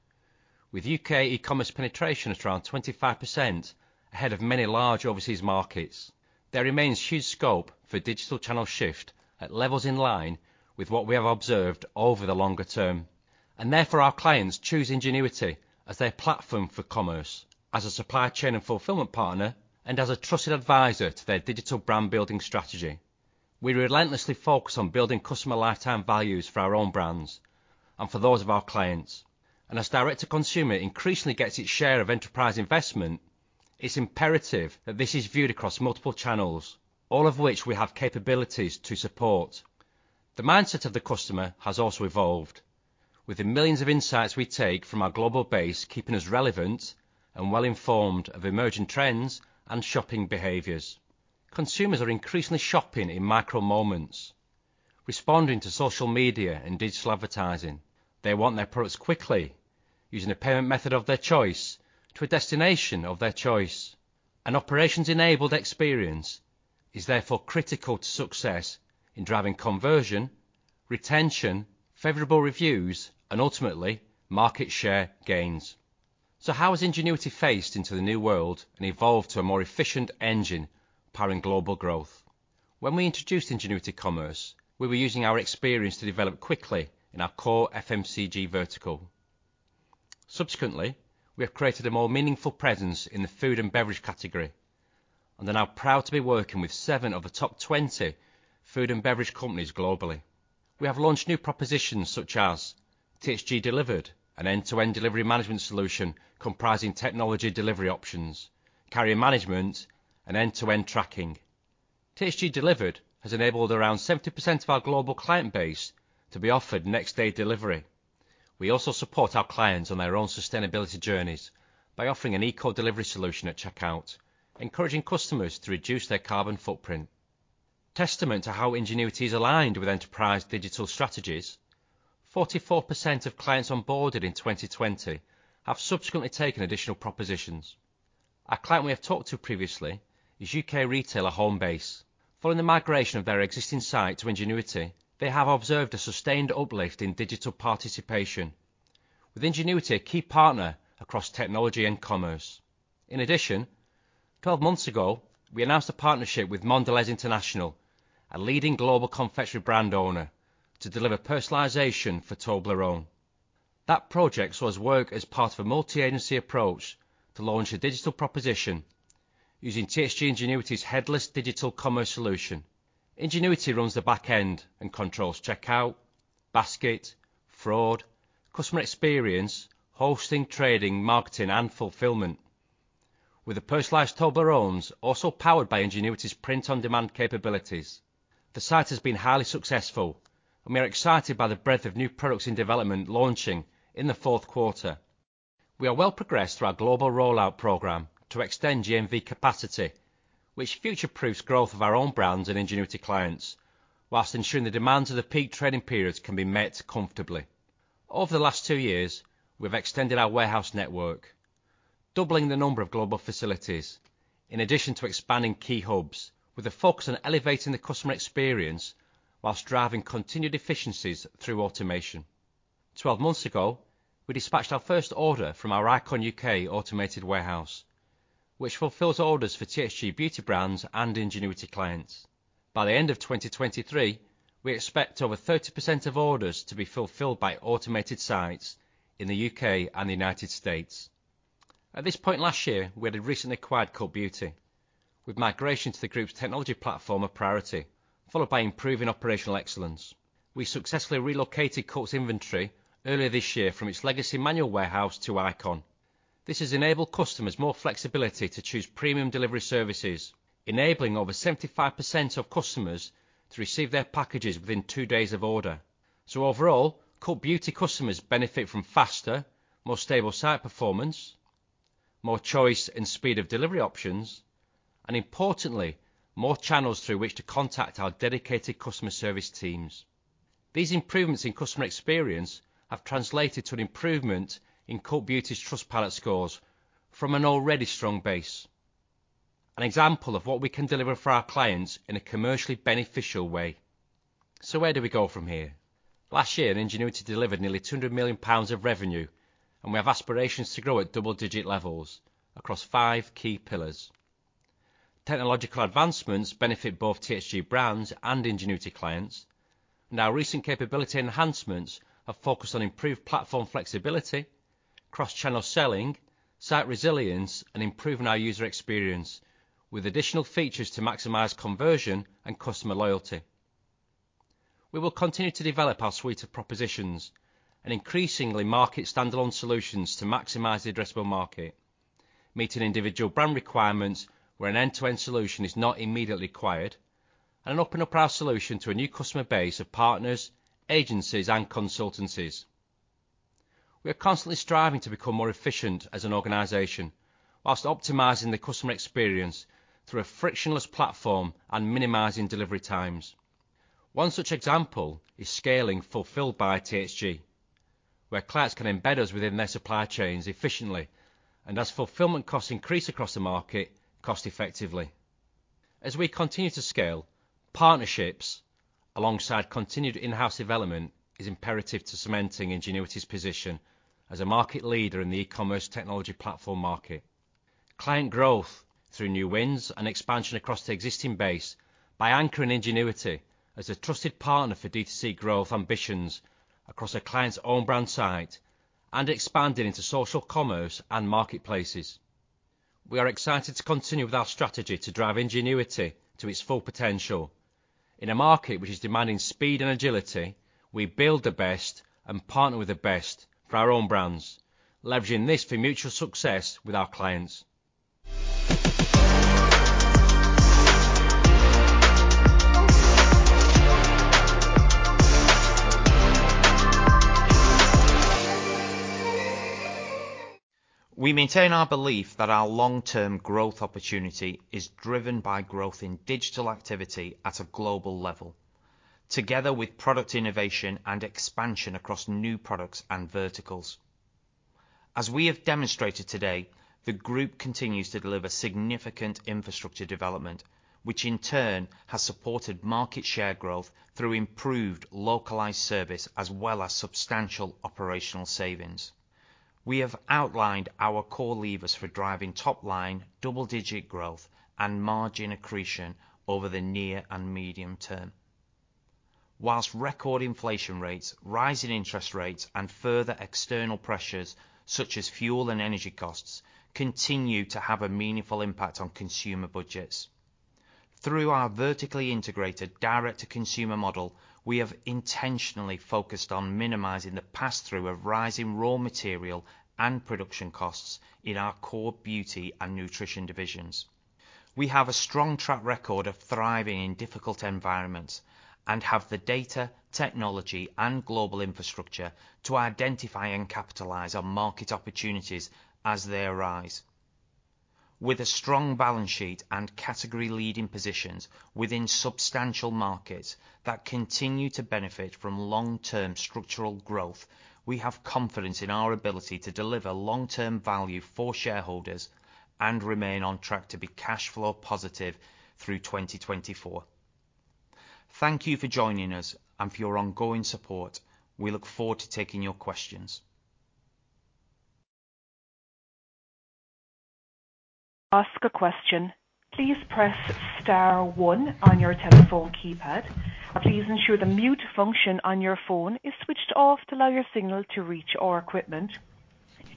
With U.K. e-commerce penetration at around 25% ahead of many large overseas markets, there remains huge scope for digital channel shift at levels in line with what we have observed over the longer term, and therefore our clients choose Ingenuity as their platform for commerce as a supply chain and fulfillment partner and as a trusted advisor to their digital brand-building strategy. We relentlessly focus on building customer lifetime values for our own brands and for those of our clients. As direct-to-consumer increasingly gets its share of enterprise investment, it's imperative that this is viewed across multiple channels, all of which we have capabilities to support. The mindset of the customer has also evolved with the millions of insights we take from our global base keeping us relevant and well-informed of emerging trends and shopping behaviors. Consumers are increasingly shopping in micro-moments, responding to social media and digital advertising. They want their products quickly using a payment method of their choice to a destination of their choice. An operations-enabled experience is therefore critical to success in driving conversion, retention, favorable reviews, and ultimately market share gains. How has Ingenuity faced into the new world and evolved to a more efficient engine powering global growth? When we introduced Ingenuity Commerce, we were using our experience to develop quickly in our core FMCG vertical. Subsequently, we have created a more meaningful presence in the food and beverage category and are now proud to be working with seven of the top 20 food and beverage companies globally. We have launched new propositions such as THG Delivered, an end-to-end delivery management solution comprising technology delivery options, carrier management, and end-to-end tracking. THG Delivered has enabled around 70% of our global client base to be offered next-day delivery. We also support our clients on their own sustainability journeys by offering an eco delivery solution at checkout, encouraging customers to reduce their carbon footprint. Testament to how Ingenuity is aligned with enterprise digital strategies, 44% of clients onboarded in 2020 have subsequently taken additional propositions. A client we have talked to previously is U.K. retailer Homebase. Following the migration of their existing site to Ingenuity, they have observed a sustained uplift in digital participation with Ingenuity, a key partner across technology and commerce. In addition, twelve months ago, we announced a partnership with Mondelēz International, a leading global confectionery brand owner, to deliver personalization for Toblerone. That project saw us work as part of a multi-agency approach to launch a digital proposition using THG Ingenuity's headless digital commerce solution. Ingenuity runs the back end and controls checkout, basket, fraud, customer experience, hosting, trading, marketing, and fulfillment with the personalized Toblerones also powered by Ingenuity's print-on-demand capabilities. The site has been highly successful, and we are excited by the breadth of new products in development launching in the fourth quarter. We are well progressed through our global rollout program to extend GMV capacity, which future-proofs growth of our own brands and Ingenuity clients while ensuring the demands of the peak trading periods can be met comfortably. Over the last two years, we've extended our warehouse network, doubling the number of global facilities in addition to expanding key hubs with a focus on elevating the customer experience while driving continued efficiencies through automation. 12 months ago, we dispatched our first order from our ICON U.K. Automated warehouse, which fulfills orders for THG Beauty brands and Ingenuity clients. By the end of 2023, we expect over 30% of orders to be fulfilled by automated sites in the U.K. and the United States. At this point last year, we had recently acquired Cult Beauty with migration to the group's technology platform a priority, followed by improving operational excellence. We successfully relocated Cult's inventory earlier this year from its legacy manual warehouse to ICON. This has enabled customers more flexibility to choose premium delivery services, enabling over 75% of customers to receive their packages within two days of order. Overall, Cult Beauty customers benefit from faster, more stable site performance, more choice and speed of delivery options, and importantly, more channels through which to contact our dedicated customer service teams. These improvements in customer experience have translated to an improvement in Cult Beauty's Trustpilot scores from an already strong base. An example of what we can deliver for our clients in a commercially beneficial way. Where do we go from here? Last year, Ingenuity delivered nearly 200 million pounds of revenue, and we have aspirations to grow at double-digit levels across five key pillars. Technological advancements benefit both THG brands and Ingenuity clients. Now, recent capability enhancements have focused on improved platform flexibility, cross-channel selling, site resilience, and improving our user experience with additional features to maximize conversion and customer loyalty. We will continue to develop our suite of propositions and increasingly market standalone solutions to maximize the addressable market, meeting individual brand requirements where an end-to-end solution is not immediately required, and opening up our solution to a new customer base of partners, agencies, and consultancies. We are constantly striving to become more efficient as an organization while optimizing the customer experience through a frictionless platform and minimizing delivery times. One such example is scaling Fulfilled by THG, where clients can embed us within their supply chains efficiently, and as fulfillment costs increase across the market, cost effectively. As we continue to scale partnerships alongside continued in-house development, is imperative to cementing Ingenuity's position as a market leader in the e-commerce technology platform market. Client growth through new wins and expansion across the existing base by anchoring Ingenuity as a trusted partner for D2C growth ambitions across a client's own brand site and expanding into social commerce and marketplaces. We are excited to continue with our strategy to drive Ingenuity to its full potential. In a market which is demanding speed and agility, we build the best and partner with the best for our own brands, leveraging this for mutual success with our clients. We maintain our belief that our long-term growth opportunity is driven by growth in digital activity at a global level, together with product innovation and expansion across new products and verticals. As we have demonstrated today, the group continues to deliver significant infrastructure development, which in turn has supported market share growth through improved localized service as well as substantial operational savings. We have outlined our core levers for driving top line double-digit growth and margin accretion over the near and medium term. While record inflation rates, rising interest rates, and further external pressures such as fuel and energy costs continue to have a meaningful impact on consumer budgets. Through our vertically integrated direct-to-consumer model, we have intentionally focused on minimizing the pass-through of rising raw material and production costs in our core beauty and nutrition divisions. We have a strong track record of thriving in difficult environments and have the data, technology, and global infrastructure to identify and capitalize on market opportunities as they arise. With a strong balance sheet and category leading positions within substantial markets that continue to benefit from long-term structural growth, we have confidence in our ability to deliver long-term value for shareholders and remain on track to be cash flow positive through 2024. Thank you for joining us and for your ongoing support. We look forward to taking your questions. Ask a question, please press star one on your telephone keypad. Please ensure the mute function on your phone is switched off to allow your signal to reach our equipment.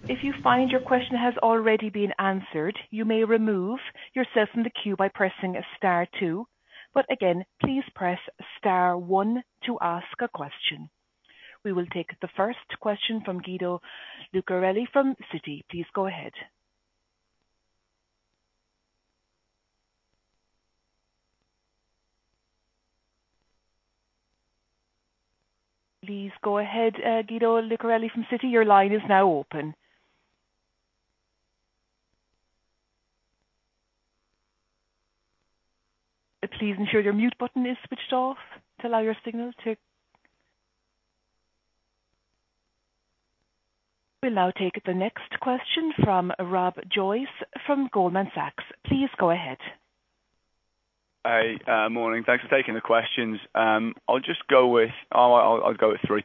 If you find your question has already been answered, you may remove yourself from the queue by pressing star two. Again, please press star one to ask a question. We will take the first question from Guido Lucarelli from Citi. Please go ahead. Please go ahead, Guido Lucarelli from Citi. Your line is now open. Please ensure your mute button is switched off to allow your signal to reach our equipment. We'll now take the next question from Rob Joyce from Goldman Sachs. Please go ahead. Hi. Morning. Thanks for taking the questions. I'll just go with three.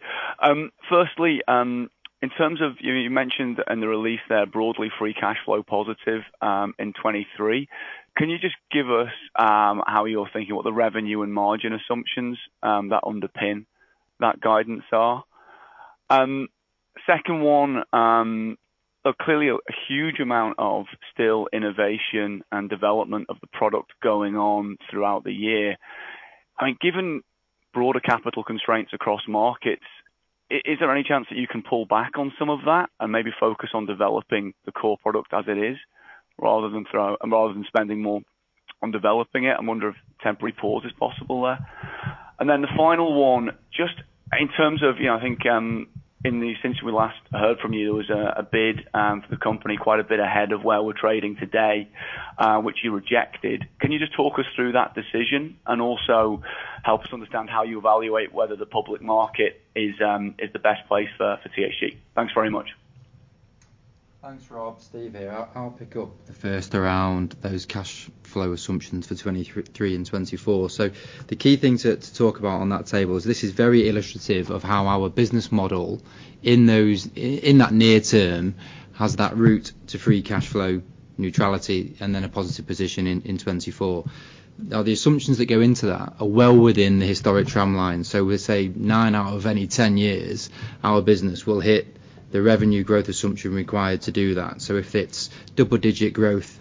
Firstly, in terms of, you mentioned in the release there broadly free cash flow positive in 2023. Can you just give us how you're thinking what the revenue and margin assumptions that underpin that guidance are? Second one, so clearly a huge amount of still innovation and development of the product going on throughout the year. I mean, given broader capital constraints across markets, is there any chance that you can pull back on some of that and maybe focus on developing the core product as it is rather than spending more on developing it? I wonder if temporary pause is possible there. Then the final one, just in terms of, you know, I think, in the. Since we last heard from you, there was a bid for the company, quite a bit ahead of where we're trading today, which you rejected. Can you just talk us through that decision and also help us understand how you evaluate whether the public market is the best place for THG? Thanks very much. Thanks, Rob. Steve here. I'll pick up the first around those cash flow assumptions for 2023 and 2024. The key thing to talk about on that table is this is very illustrative of how our business model in those, in that near term has that route to free cash flow neutrality and then a positive position in 2024. The assumptions that go into that are well within the historic tramline. We'll say nine out of any ten years, our business will hit the revenue growth assumption required to do that. If it's double digit growth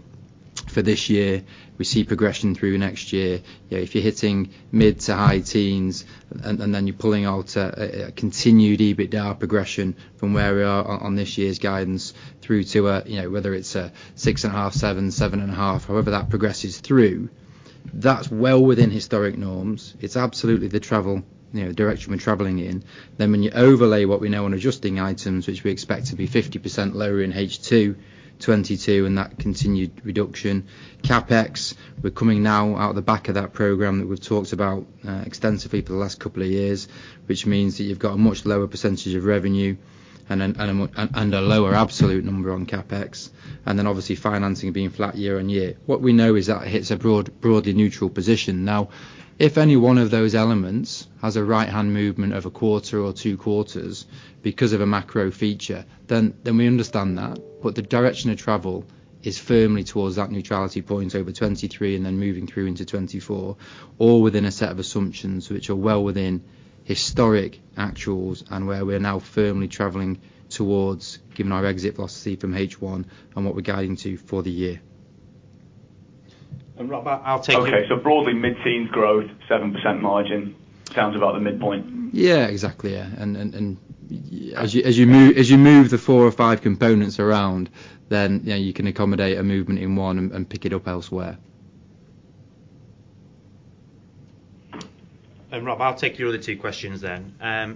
for this year, we see progression through next year. You know, if you're hitting mid- to high teens and then you're pulling out a continued EBITDA progression from where we are on this year's guidance through to, you know, whether it's 6.5, 7.5, however that progresses through, that's well within historic norms. It's absolutely the travel, you know, direction we're traveling in. When you overlay what we know on adjusting items, which we expect to be 50% lower in H2 2022 and that continued reduction. CapEx, we're coming now out the back of that program that we've talked about extensively for the last couple of years, which means that you've got a much lower percentage of revenue and a lower absolute number on CapEx, and then obviously financing being flat year-on-year. What we know is that hits a broad, broadly neutral position. Now, if any one of those elements has a right-hand movement of a quarter or two quarters because of a macro factor, then we understand that. The direction of travel is firmly towards that neutrality point over 2023 and then moving through into 2024, all within a set of assumptions which are well within historic actuals and where we're now firmly traveling towards, given our exit velocity from H1 and what we're guiding to for the year. Rob, I'll take- Okay. Broadly mid-teens% growth, 7% margin. Sounds about the midpoint. Yeah, exactly. Yeah. As you move the four or five components around, then, you know, you can accommodate a movement in one and pick it up elsewhere. Rob, I'll take your other two questions then.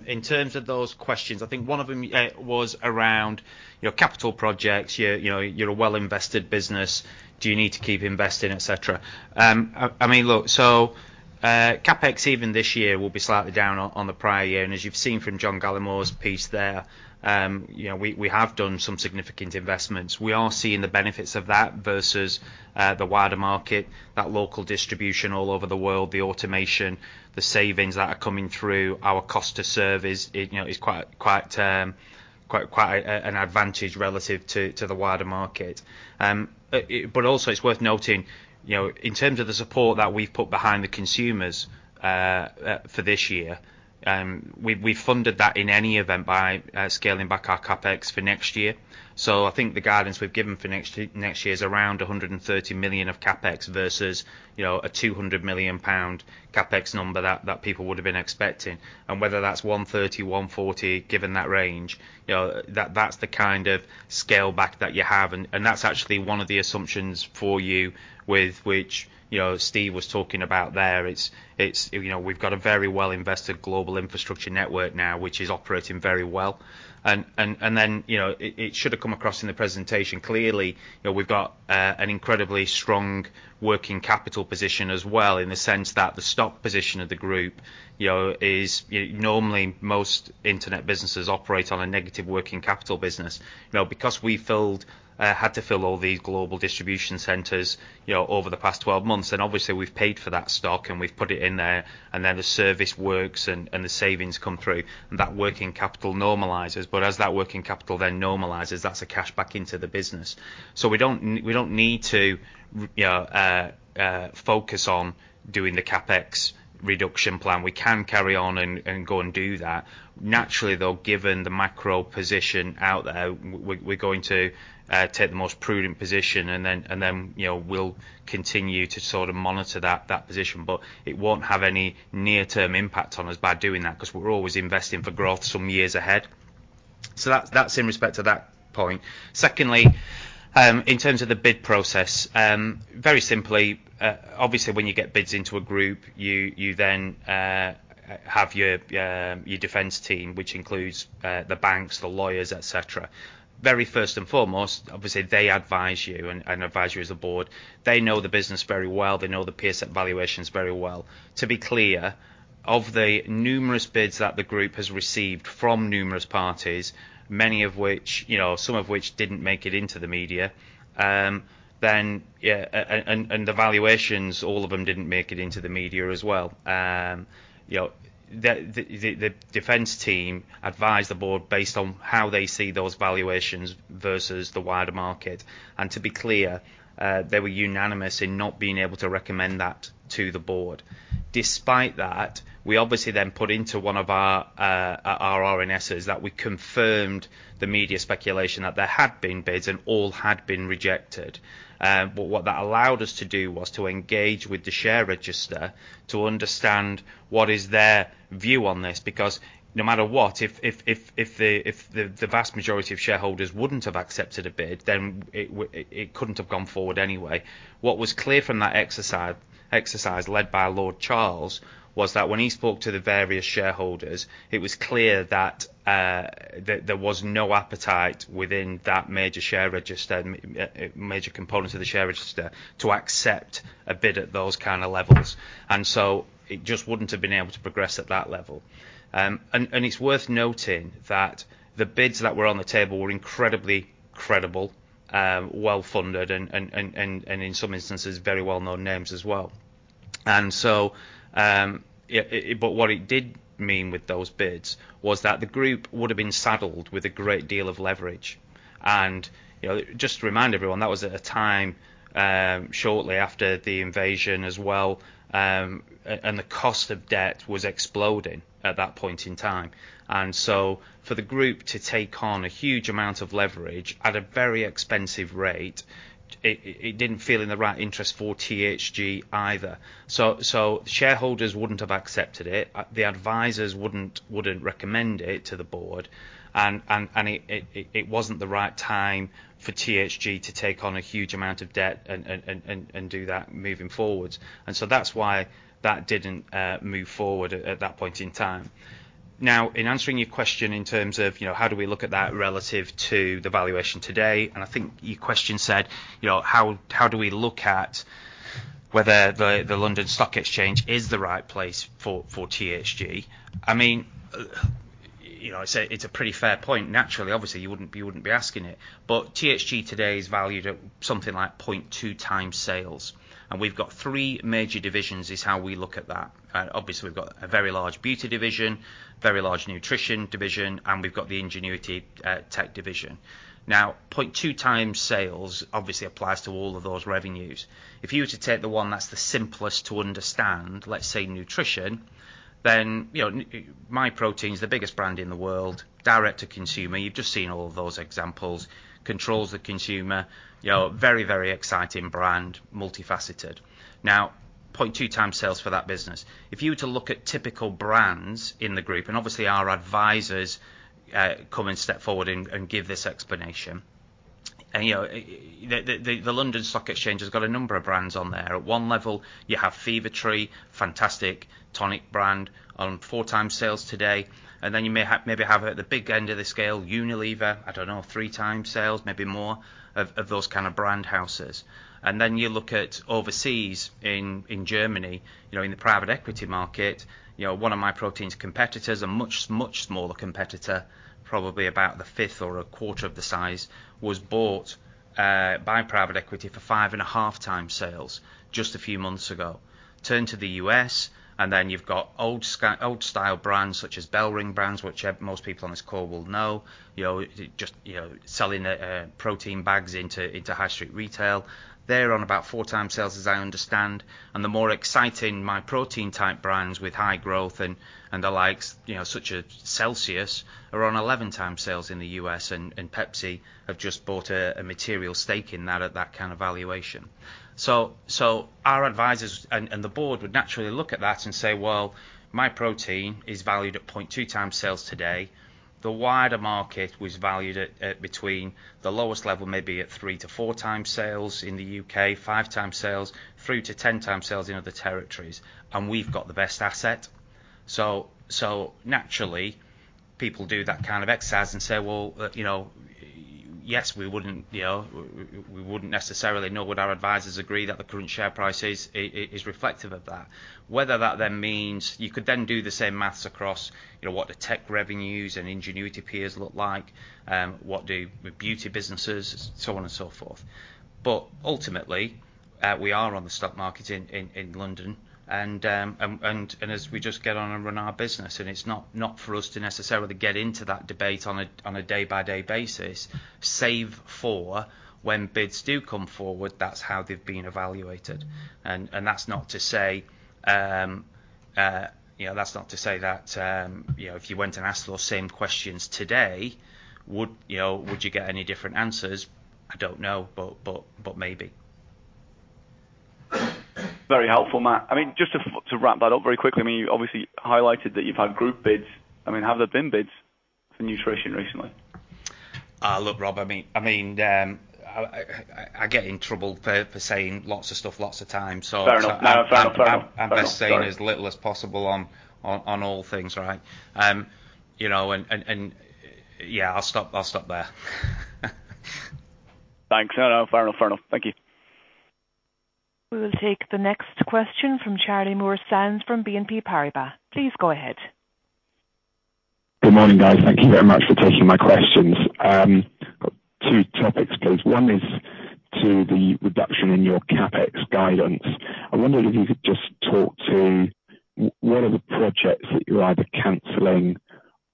In terms of those questions, I think one of them was around your capital projects. You know, you're a well-invested business. Do you need to keep investing, et cetera? I mean, look, CapEx even this year will be slightly down on the prior year, and as you've seen from John Gallemore's piece there, you know, we have done some significant investments. We are seeing the benefits of that versus the wider market, that local distribution all over the world, the automation, the savings that are coming through our cost to serve is quite an advantage relative to the wider market. It's worth noting, you know, in terms of the support that we've put behind the consumers for this year, we've funded that in any event by scaling back our CapEx for next year. I think the guidance we've given for next year is around 130 million of CapEx versus a 200 million pound CapEx number that people would have been expecting. Whether that's 130, 140, given that range, you know, that's the kind of scale back that you have and that's actually one of the assumptions for you with which, you know, Steve was talking about there. It's, you know, we've got a very well invested global infrastructure network now, which is operating very well. You know, it should have come across in the presentation, clearly. You know, we've got an incredibly strong working capital position as well in the sense that the stock position of the group, you know, is. Normally, most internet businesses operate on a negative working capital business. You know, because we had to fill all these global distribution centers, you know, over the past 12 months, then obviously we've paid for that stock, and we've put it in there, and then the service works and the savings come through, and that working capital normalizes. As that working capital then normalizes, that's a cash back into the business. We don't need to, you know, focus on doing the CapEx reduction plan. We can carry on and go and do that. Naturally, though, given the macro position out there, we're going to take the most prudent position and then, you know, we'll continue to sort of monitor that position. It won't have any near-term impact on us by doing that 'cause we're always investing for growth some years ahead. That's in respect to that point. Secondly, in terms of the bid process, very simply, obviously, when you get bids into a group, you then have your defense team, which includes the banks, the lawyers, et cetera. Very first and foremost, obviously, they advise you and advise you as a board. They know the business very well. They know the peer set valuations very well. To be clear, of the numerous bids that the group has received from numerous parties, many of which, some of which didn't make it into the media, and the valuations, all of them didn't make it into the media as well. The defense team advise the board based on how they see those valuations versus the wider market. To be clear, they were unanimous in not being able to recommend that to the board. Despite that, we obviously then put into one of our RNSs that we confirmed the media speculation that there had been bids and all had been rejected. What that allowed us to do was to engage with the share register to understand what is their view on this. Because no matter what, if the vast majority of shareholders wouldn't have accepted a bid, then it couldn't have gone forward anyway. What was clear from that exercise led by Lord Charles was that when he spoke to the various shareholders, it was clear that there was no appetite within that major component of the share register to accept a bid at those kind of levels. It just wouldn't have been able to progress at that level. It's worth noting that the bids that were on the table were incredibly credible, well-funded and in some instances, very well-known names as well. Yeah, but what it did mean with those bids was that the group would have been saddled with a great deal of leverage. You know, just to remind everyone, that was at a time shortly after the invasion as well, and the cost of debt was exploding at that point in time. For the group to take on a huge amount of leverage at a very expensive rate, it didn't feel in the right interest for THG either. So shareholders wouldn't have accepted it, the advisors wouldn't recommend it to the board and it wasn't the right time for THG to take on a huge amount of debt and do that moving forward. That's why that didn't move forward at that point in time. Now, in answering your question in terms of, you know, how do we look at that relative to the valuation today, and I think your question said, you know, how we look at whether the London Stock Exchange is the right place for THG. I mean, you know, I say it's a pretty fair point. Naturally, obviously, you wouldn't be asking it. But THG today is valued at something like 0.2x sales, and we've got three major divisions is how we look at that. Obviously, we've got a very large beauty division, very large nutrition division, and we've got the ingenuity tech division. Now, 0.2x sales obviously applies to all of those revenues. If you were to take the one that's the simplest to understand, let's say nutrition, then, you know, Myprotein's the biggest brand in the world, direct to consumer. You've just seen all of those examples. Controls the consumer, you know, very, very exciting brand, multifaceted. Now, 0.2x sales for that business. If you were to look at typical brands in the group, and obviously our advisors come and step forward and give this explanation. You know, the London Stock Exchange has got a number of brands on there. At one level, you have Fever-Tree, fantastic tonic brand, on 4x sales today. Then you may maybe have at the big end of the scale, Unilever, I don't know, 3x sales, maybe more of those kind of brand houses. You look at overseas in Germany, you know, in the private equity market, you know, one of Myprotein's competitors, a much smaller competitor, probably about a fifth or a quarter of the size, was bought by private equity for 5.5x sales just a few months ago. Turn to the U.S., and then you've got old-style brands such as BellRing Brands, which most people on this call will know. You know, just selling protein bags into high street retail. They're on about 4x sales, as I understand. The more exciting Myprotein type brands with high growth and the likes, you know, such as Celsius, are on 11x sales in the U.S., and PepsiCo have just bought a material stake in that at that kind of valuation. Our advisors and the board would naturally look at that and say, "Well, Myprotein is valued at 0.2x sales today. The wider market was valued at between the lowest level, maybe at 3x-4x sales in the U.K., 5x sales, through to 10x sales in other territories. And we've got the best asset." Naturally, people do that kind of exercise and say, "Well, you know, yes, we wouldn't necessarily nor would our advisors agree that the current share price is reflective of that." Whether that then means you could then do the same math across, you know, what the tech revenues and Ingenuity peers look like, what do the beauty businesses, so on and so forth. Ultimately, we are on the stock market in London, and as we just get on and run our business, and it's not for us to necessarily get into that debate on a day-by-day basis, save for when bids do come forward, that's how they've been evaluated. That's not to say that, you know, if you went and asked those same questions today, you know, would you get any different answers? I don't know, but maybe. Very helpful, Matt. I mean, just to wrap that up very quickly, I mean, you obviously highlighted that you've had group bids. I mean, have there been bids for Nutrition recently? Look, Rob, I mean, I get in trouble for saying lots of stuff lots of times. Fair enough. I'm best saying as little as possible on all things, right? You know, and yeah, I'll stop there. Thanks. No, no, fair enough. Fair enough. Thank you. We will take the next question from Charlie Muir-Sands from BNP Paribas. Please go ahead. Good morning, guys. Thank you very much for taking my questions. Two topics, please. One is to the reduction in your CapEx guidance. I wonder if you could just talk to what are the projects that you're either canceling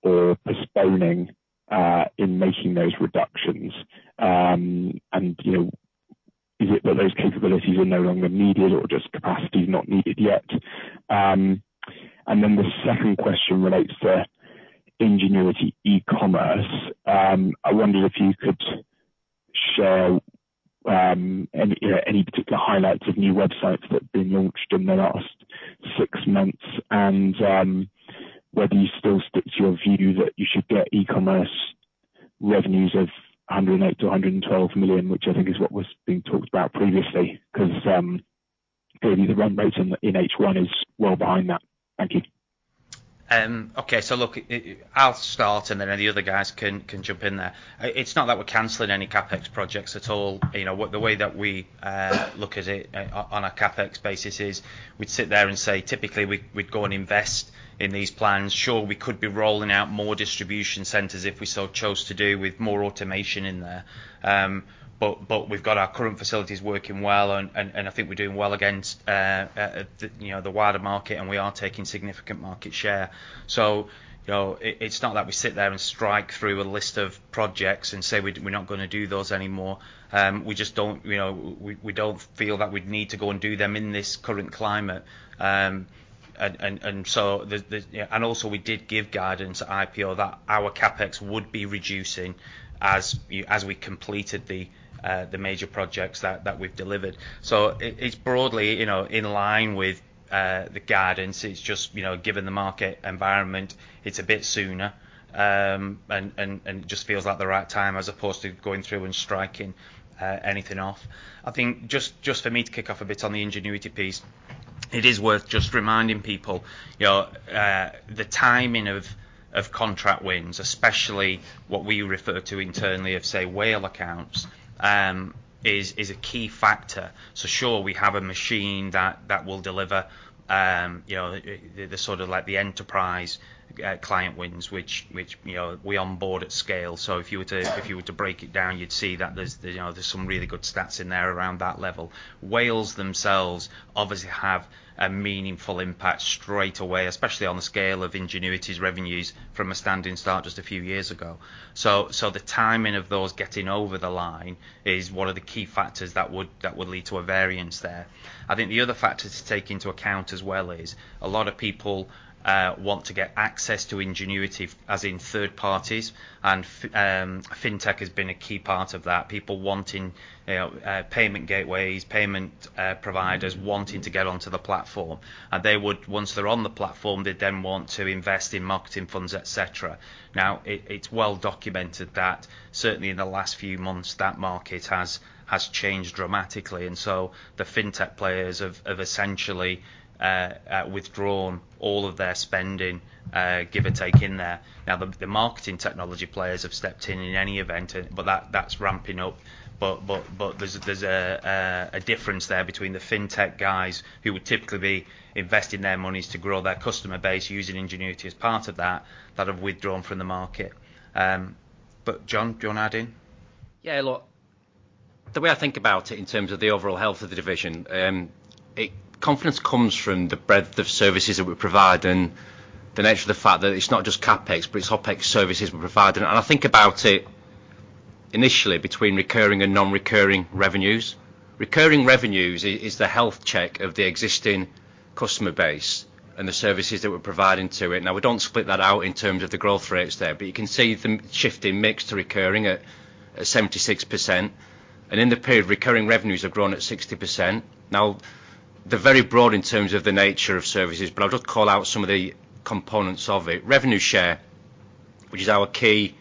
or postponing in making those reductions. You know, is it that those capabilities are no longer needed or just capacity not needed yet? Then the second question relates to Ingenuity e-commerce. I wonder if you could share any particular highlights of new websites that have been launched in the last six months, and whether you still stick to your view that you should get e-commerce revenues of 108 million-112 million, which I think is what was being talked about previously, 'cause clearly the run rate in H1 is well behind that. Thank you. Okay, look, I'll start, and then any other guys can jump in there. It's not that we're canceling any CapEx projects at all. You know, the way that we look at it on a CapEx basis is we'd sit there and say, typically we'd go and invest in these plans. Sure, we could be rolling out more distribution centers if we so chose to do with more automation in there. But we've got our current facilities working well, and I think we're doing well against the wider market, and we are taking significant market share. You know, it's not that we sit there and strike through a list of projects and say we're not gonna do those anymore. We just don't, you know, we don't feel that we'd need to go and do them in this current climate. Also we did give guidance at IPO that our CapEx would be reducing as we completed the major projects that we've delivered. It's broadly, you know, in line with the guidance. It's just, you know, given the market environment, it's a bit sooner, and just feels like the right time as opposed to going through and striking anything off. I think just for me to kick off a bit on the Ingenuity piece, it is worth just reminding people, you know, the timing of contract wins, especially what we refer to internally as, say, whale accounts, is a key factor. Sure, we have a machine that will deliver, you know, the sort of like the enterprise client wins, which, you know, we onboard at scale. If you were to break it down, you'd see that there's, you know, some really good stats in there around that level. Whales themselves obviously have a meaningful impact straight away, especially on the scale of Ingenuity's revenues from a standing start just a few years ago. The timing of those getting over the line is one of the key factors that would lead to a variance there. I think the other factor to take into account as well is a lot of people want to get access to Ingenuity as in third parties, and fintech has been a key part of that. People wanting, you know, payment gateways, payment providers wanting to get onto the platform. Once they're on the platform, they'd then want to invest in marketing funds, et cetera. Now, it's well documented that certainly in the last few months, that market has changed dramatically, and so the fintech players have essentially withdrawn all of their spending, give or take in there. Now, the marketing technology players have stepped in any event, but that's ramping up. There's a difference there between the fintech guys who would typically be investing their monies to grow their customer base using Ingenuity as part of that have withdrawn from the market. John, do you want to add in? Yeah, look, the way I think about it in terms of the overall health of the division, confidence comes from the breadth of services that we provide and the nature of the fact that it's not just CapEx, but it's OpEx services we provide. I think about it initially between recurring and non-recurring revenues. Recurring revenues is the health check of the existing customer base and the services that we're providing to it. Now, we don't split that out in terms of the growth rates there, but you can see the shift in mix to recurring at 76%. In the period, recurring revenues have grown at 60%. Now, they're very broad in terms of the nature of services, but I'll just call out some of the components of it. Revenue share, which is our key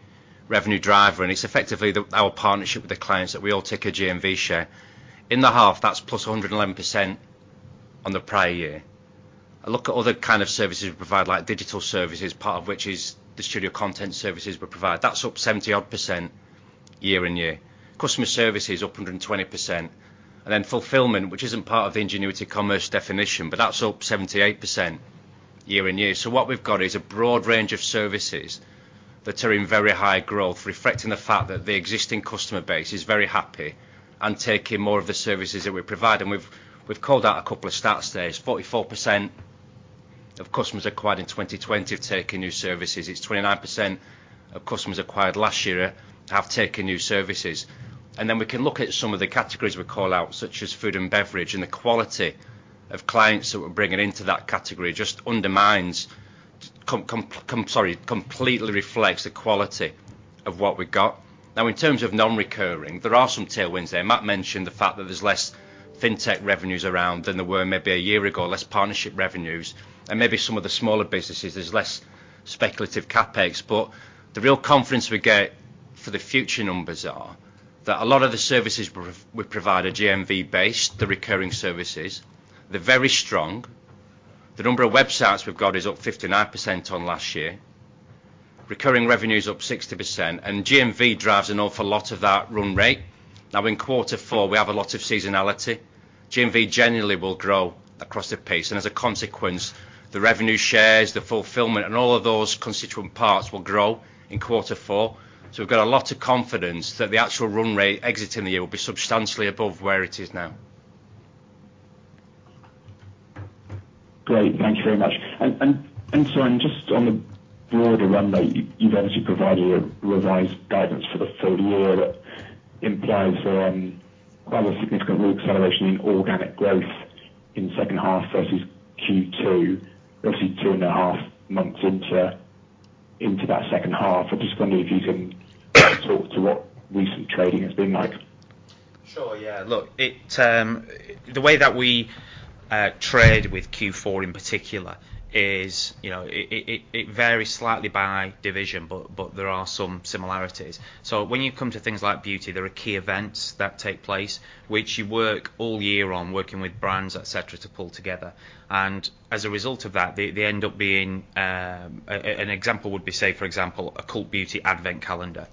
revenue driver, and it's effectively our partnership with the clients that we all take a GMV share. In the half, that's +111% on the prior year. I look at other kind of services we provide like digital services, part of which is the studio content services we provide. That's up 70-odd% year-on-year. Customer service is up 120%. Then fulfillment, which isn't part of the Ingenuity Commerce definition, but that's up 78% year-on-year. What we've got is a broad range of services that are in very high growth, reflecting the fact that the existing customer base is very happy and taking more of the services that we provide. We've called out a couple of stats there. 44% of customers acquired in 2020 have taken new services. It's 29% of customers acquired last year have taken new services. Then we can look at some of the categories we call out, such as food and beverage, and the quality of clients that we're bringing into that category just completely reflects the quality of what we've got. Now, in terms of non-recurring, there are some tailwinds there. Matt mentioned the fact that there's less fintech revenues around than there were maybe a year ago, less partnership revenues, and maybe some of the smaller businesses, there's less speculative CapEx. But the real confidence we get for the future numbers are that a lot of the services we provide are GMV based, the recurring services. They're very strong. The number of websites we've got is up 59% on last year. Recurring revenue is up 60%, and GMV drives an awful lot of that run rate. Now in quarter four, we have a lot of seasonality. GMV generally will grow across the piece, and as a consequence, the revenue shares, the fulfillment, and all of those constituent parts will grow in quarter four. We've got a lot of confidence that the actual run rate exiting the year will be substantially above where it is now. Great. Thank you very much. Just on the broader run rate, you've obviously provided a revised guidance for the full year that implies quite a significant reacceleration in organic growth in second half versus Q2, obviously two and a half months into that second half. I'm just wondering if you can talk to what recent trading has been like. Yeah, look, the way that we trade in Q4 in particular is, you know, it varies slightly by division, but there are some similarities. When you come to things like beauty, there are key events that take place, which you work all year on, working with brands, et cetera, to pull together. As a result of that, they end up being an example would be, say, for example, a Cult Beauty Advent Calendar.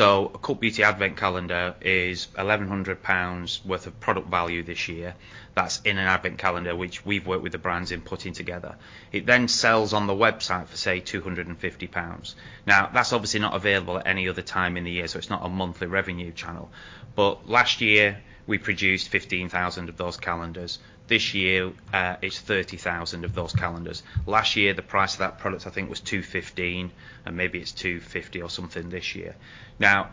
A Cult Beauty Advent Calendar is 1,100 pounds worth of product value this year. That's in an advent calendar, which we've worked with the brands in putting together. It then sells on the website for, say, 250 pounds. That's obviously not available at any other time in the year, so it's not a monthly revenue channel. Last year, we produced 15,000 of those calendars. This year, it's 30,000 of those calendars. Last year, the price of that product, I think, was 215, and maybe it's 250 or something this year. Now,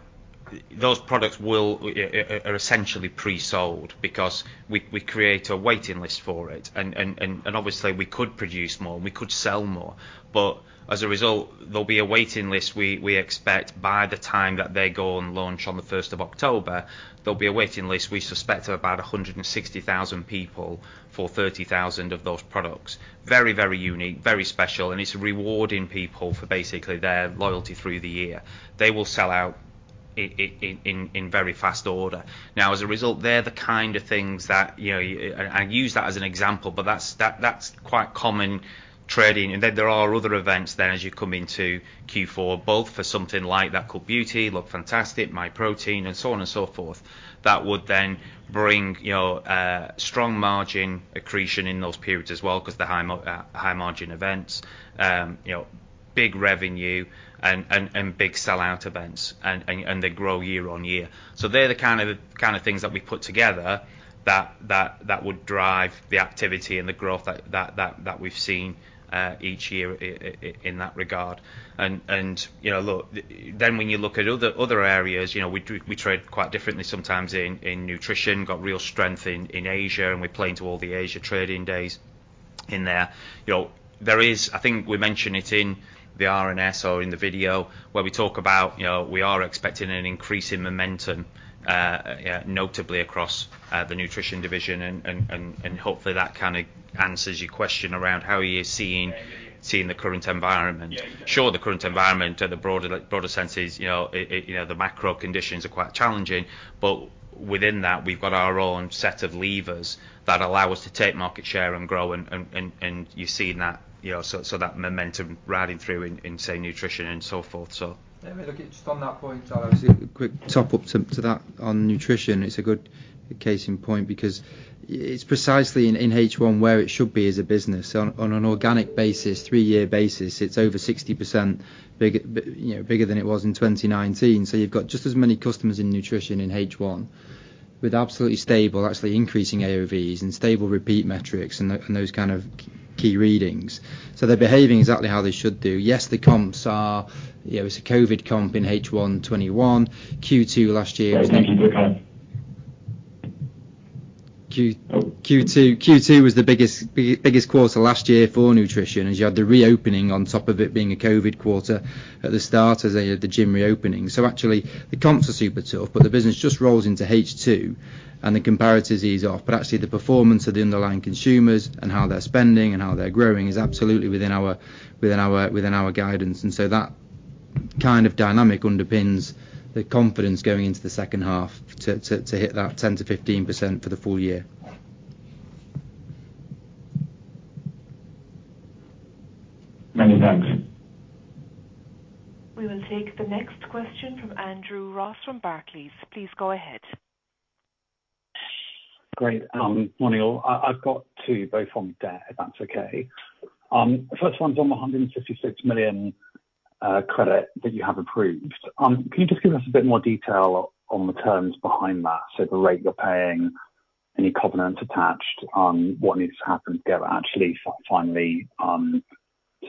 those products are essentially pre-sold because we create a waiting list for it. Obviously we could produce more, and we could sell more, but as a result, there'll be a waiting list. We expect by the time that they go on launch on the first of October, there'll be a waiting list, we suspect of about 160,000 people for 30,000 of those products. Very unique, very special, and it's rewarding people for basically their loyalty through the year. They will sell out in very fast order. Now, as a result, they're the kind of things that, you know, I use that as an example, but that's quite common trading. There are other events then as you come into Q4, both for something like that Cult Beauty, LOOKFANTASTIC, Myprotein, and so on and so forth, that would then bring, you know, strong margin accretion in those periods as well, 'cause they're high margin events. You know, big revenue and big sell-out events and they grow year-on-year. They're the kind of things that we put together that would drive the activity and the growth that we've seen each year in that regard. You know, look, then when you look at other areas, you know, we do trade quite differently sometimes in nutrition, got real strength in Asia, and we play into all the Asia trading days in there. You know, there is. I think we mention it in the RNS or in the video where we talk about, you know, we are expecting an increase in momentum, notably across the nutrition division and hopefully, that kinda answers your question around how are you seeing the current environment. Sure, the current environment in the broader sense is, you know, it you know, the macro conditions are quite challenging, but within that, we've got our own set of levers that allow us to take market share and grow and you're seeing that, you know, so that momentum riding through in, say, nutrition and so forth so. Yeah, look, it's just on that point, Charlie, a quick top-up to that on nutrition. It's a good case in point because it's precisely in H1 where it should be as a business. On an organic basis, three-year basis, it's over 60% bigger, you know, bigger than it was in 2019. You've got just as many customers in nutrition in H1 with absolutely stable, actually increasing AOVs and stable repeat metrics and those kind of key readings. They're behaving exactly how they should do. Yes, the comps are. You know, it's a COVID comp in H1 2021. Q2 last year was the biggest quarter last year for nutrition as you had the reopening on top of it being a COVID quarter at the start as the gym reopening. Actually, the comps are super tough, but the business just rolls into H2 and the comparatives ease off. Actually, the performance of the underlying consumers and how they're spending and how they're growing is absolutely within our guidance. That kind of dynamic underpins the confidence going into the second half to hit that 10%-15% for the full year. Many thanks. We will take the next question from Andrew Ross from Barclays. Please go ahead. Great. Morning, all. I've got two, both on debt, if that's okay. First one's on the 156 million credit that you have approved. Can you just give us a bit more detail on the terms behind that? So the rate you're paying, any covenants attached, what needs to happen to get it actually finally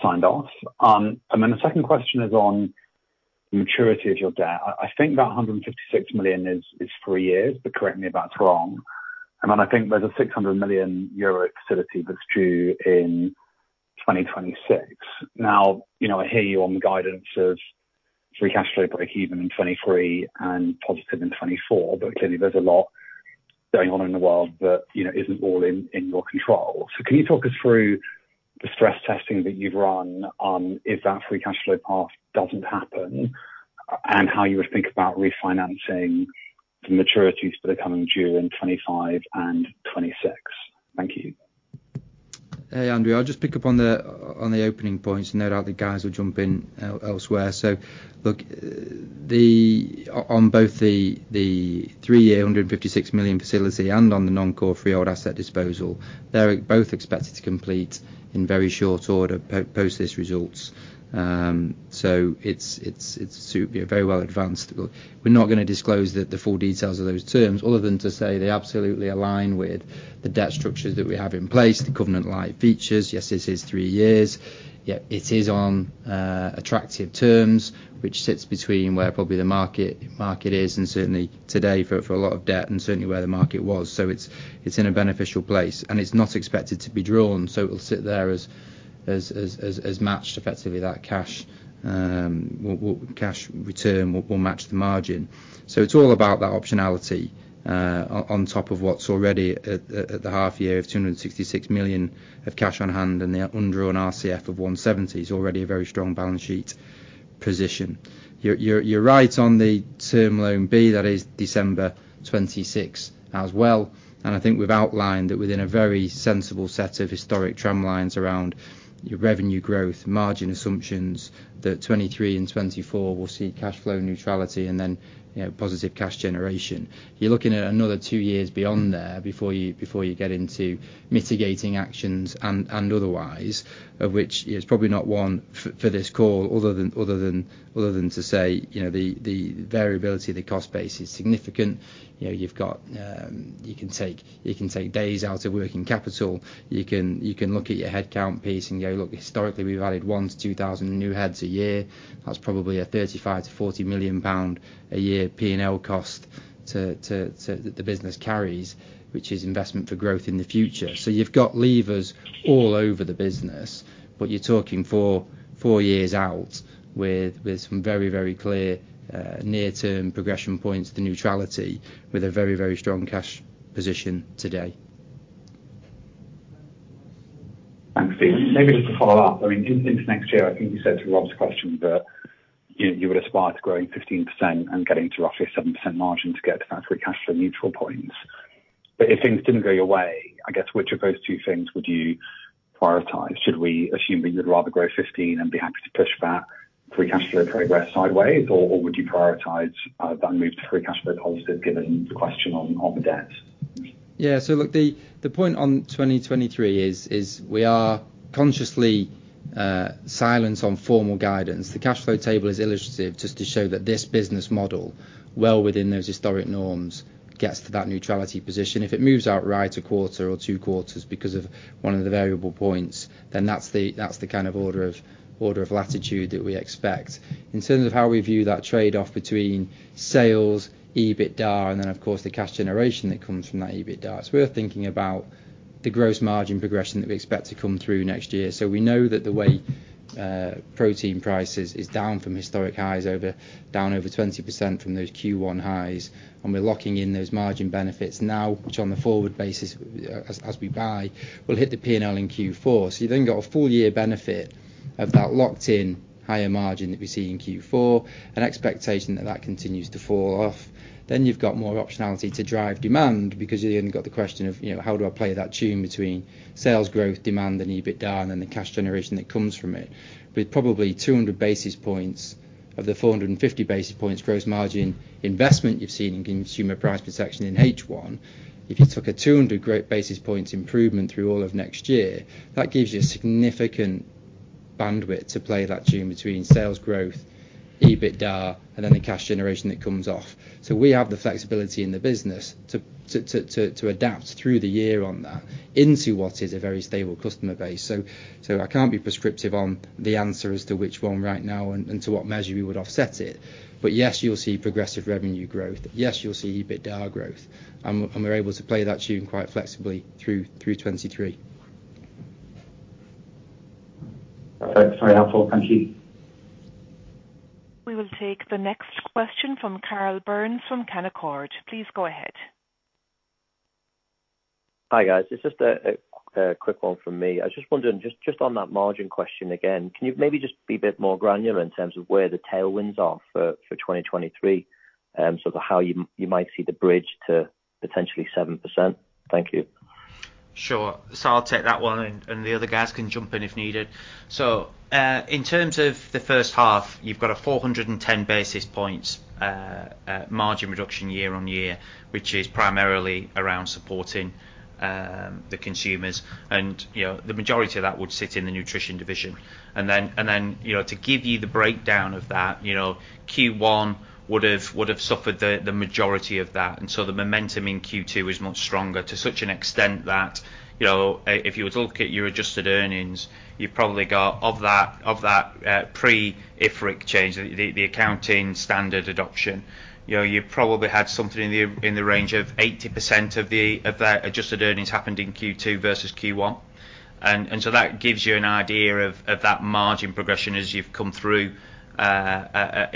signed off? The second question is on maturity of your debt. I think that 156 million is three years, but correct me if that's wrong. I think there's an 600 million euro facility that's due in 2026. Now, you know, I hear you on the guidance of free cash flow breakeven in 2023 and positive in 2024, but clearly, there's a lot going on in the world that, you know, isn't all in your control. Can you talk us through the stress testing that you've run, if that free cash flow path doesn't happen, and how you would think about refinancing the maturities that are coming due in 2025 and 2026? Thank you. Hey, Andrew. I'll just pick up on the opening points and no doubt the guys will jump in elsewhere. Look, on both the three-year 156 million facility and on the non-core freehold asset disposal, they're both expected to complete in very short order post these results. It's very well advanced. Look, we're not gonna disclose the full details of those terms other than to say they absolutely align with the debt structures that we have in place, the covenant light features. Yes, this is three years, yet it is on attractive terms, which sits between where probably the market is and certainly today for a lot of debt and certainly where the market was. It's in a beneficial place, and it's not expected to be drawn, so it'll sit there as matched effectively that cash return will match the margin. It's all about that optionality on top of what's already at the half year of 266 million of cash on hand and the undrawn RCF of 170 million is already a very strong balance sheet position. You're right on the term loan B, that is December 26th as well. I think we've outlined that within a very sensible set of historic trend lines around your revenue growth, margin assumptions, that 2023 and 2024 will see cash flow neutrality and then, you know, positive cash generation. You're looking at another two years beyond there before you get into mitigating actions and otherwise, of which is probably not one for this call other than to say, you know, the variability of the cost base is significant. You know, you've got, you can take days out of working capital. You can look at your headcount piece and go, look, historically, we've added 1,000-2,000 new heads a year. That's probably a 35 million-40 million pound a year P&L cost to that the business carries, which is investment for growth in the future. You've got levers all over the business, but you're talking four years out with some very clear near-term progression point to neutrality with a very strong cash position today. Thanks, Steven. Maybe just to follow up. I mean, in next year, I think you said to Rob's question that you would aspire to growing 15% and getting to roughly a 7% margin to get to that free cash flow neutral point. If things didn't go your way, I guess which of those two things would you prioritize? Should we assume that you'd rather grow 15% and be happy to push back free cash flow to progress sideways? Would you prioritize that move to free cash flow positive given the question on the debt? Yeah. Look, the point on 2023 is we are consciously silent on formal guidance. The cash flow table is illustrative just to show that this business model, well within those historic norms, gets to that neutrality position. If it moves outright a quarter or two quarters because of one of the variable points, then that's the kind of order of latitude that we expect. In terms of how we view that trade-off between sales, EBITDA, and then, of course, the cash generation that comes from that EBITDA. We're thinking about the gross margin progression that we expect to come through next year. We know that the whey protein prices is down from historic highs down over 20% from those Q1 highs, and we're locking in those margin benefits now, which on a forward basis as we buy, will hit the P&L in Q4. You've then got a full year benefit of that locked in higher margin that we see in Q4, an expectation that that continues to fall off. You've got more optionality to drive demand because you've then got the question of, you know, how do I play that tune between sales growth, demand, the EBITDA, and the cash generation that comes from it. With probably 200 basis points of the 450 basis points gross margin investment you've seen in consumer price protection in H1, if you took a 200 basis points improvement through all of next year, that gives you significant bandwidth to play that tune between sales growth, EBITDA, and then the cash generation that comes off. We have the flexibility in the business to adapt through the year on that into what is a very stable customer base. I can't be prescriptive on the answer as to which one right now and to what measure we would offset it. Yes, you'll see progressive revenue growth. Yes, you'll see EBITDA growth. We're able to play that tune quite flexibly through 2023. Perfect. Very helpful. Thank you. We will take the next question from Karl Burns from Canaccord. Please go ahead. Hi, guys. It's just a quick one from me. I was just wondering just on that margin question again, can you maybe just be a bit more granular in terms of where the tailwinds are for 2023, so to how you might see the bridge to potentially 7%? Thank you. Sure. I'll take that one and the other guys can jump in if needed. In terms of the first half, you've got a 410 basis points margin reduction year-on-year, which is primarily around supporting the consumers. You know, the majority of that would sit in the nutrition division. Then, you know, to give you the breakdown of that, you know, Q1 would've suffered the majority of that. The momentum in Q2 is much stronger to such an extent that, you know, if you were to look at your adjusted earnings, you've probably got of that, pre IFRIC change, the accounting standard adoption, you know, you probably had something in the range of 80% of that adjusted earnings happened in Q2 versus Q1. To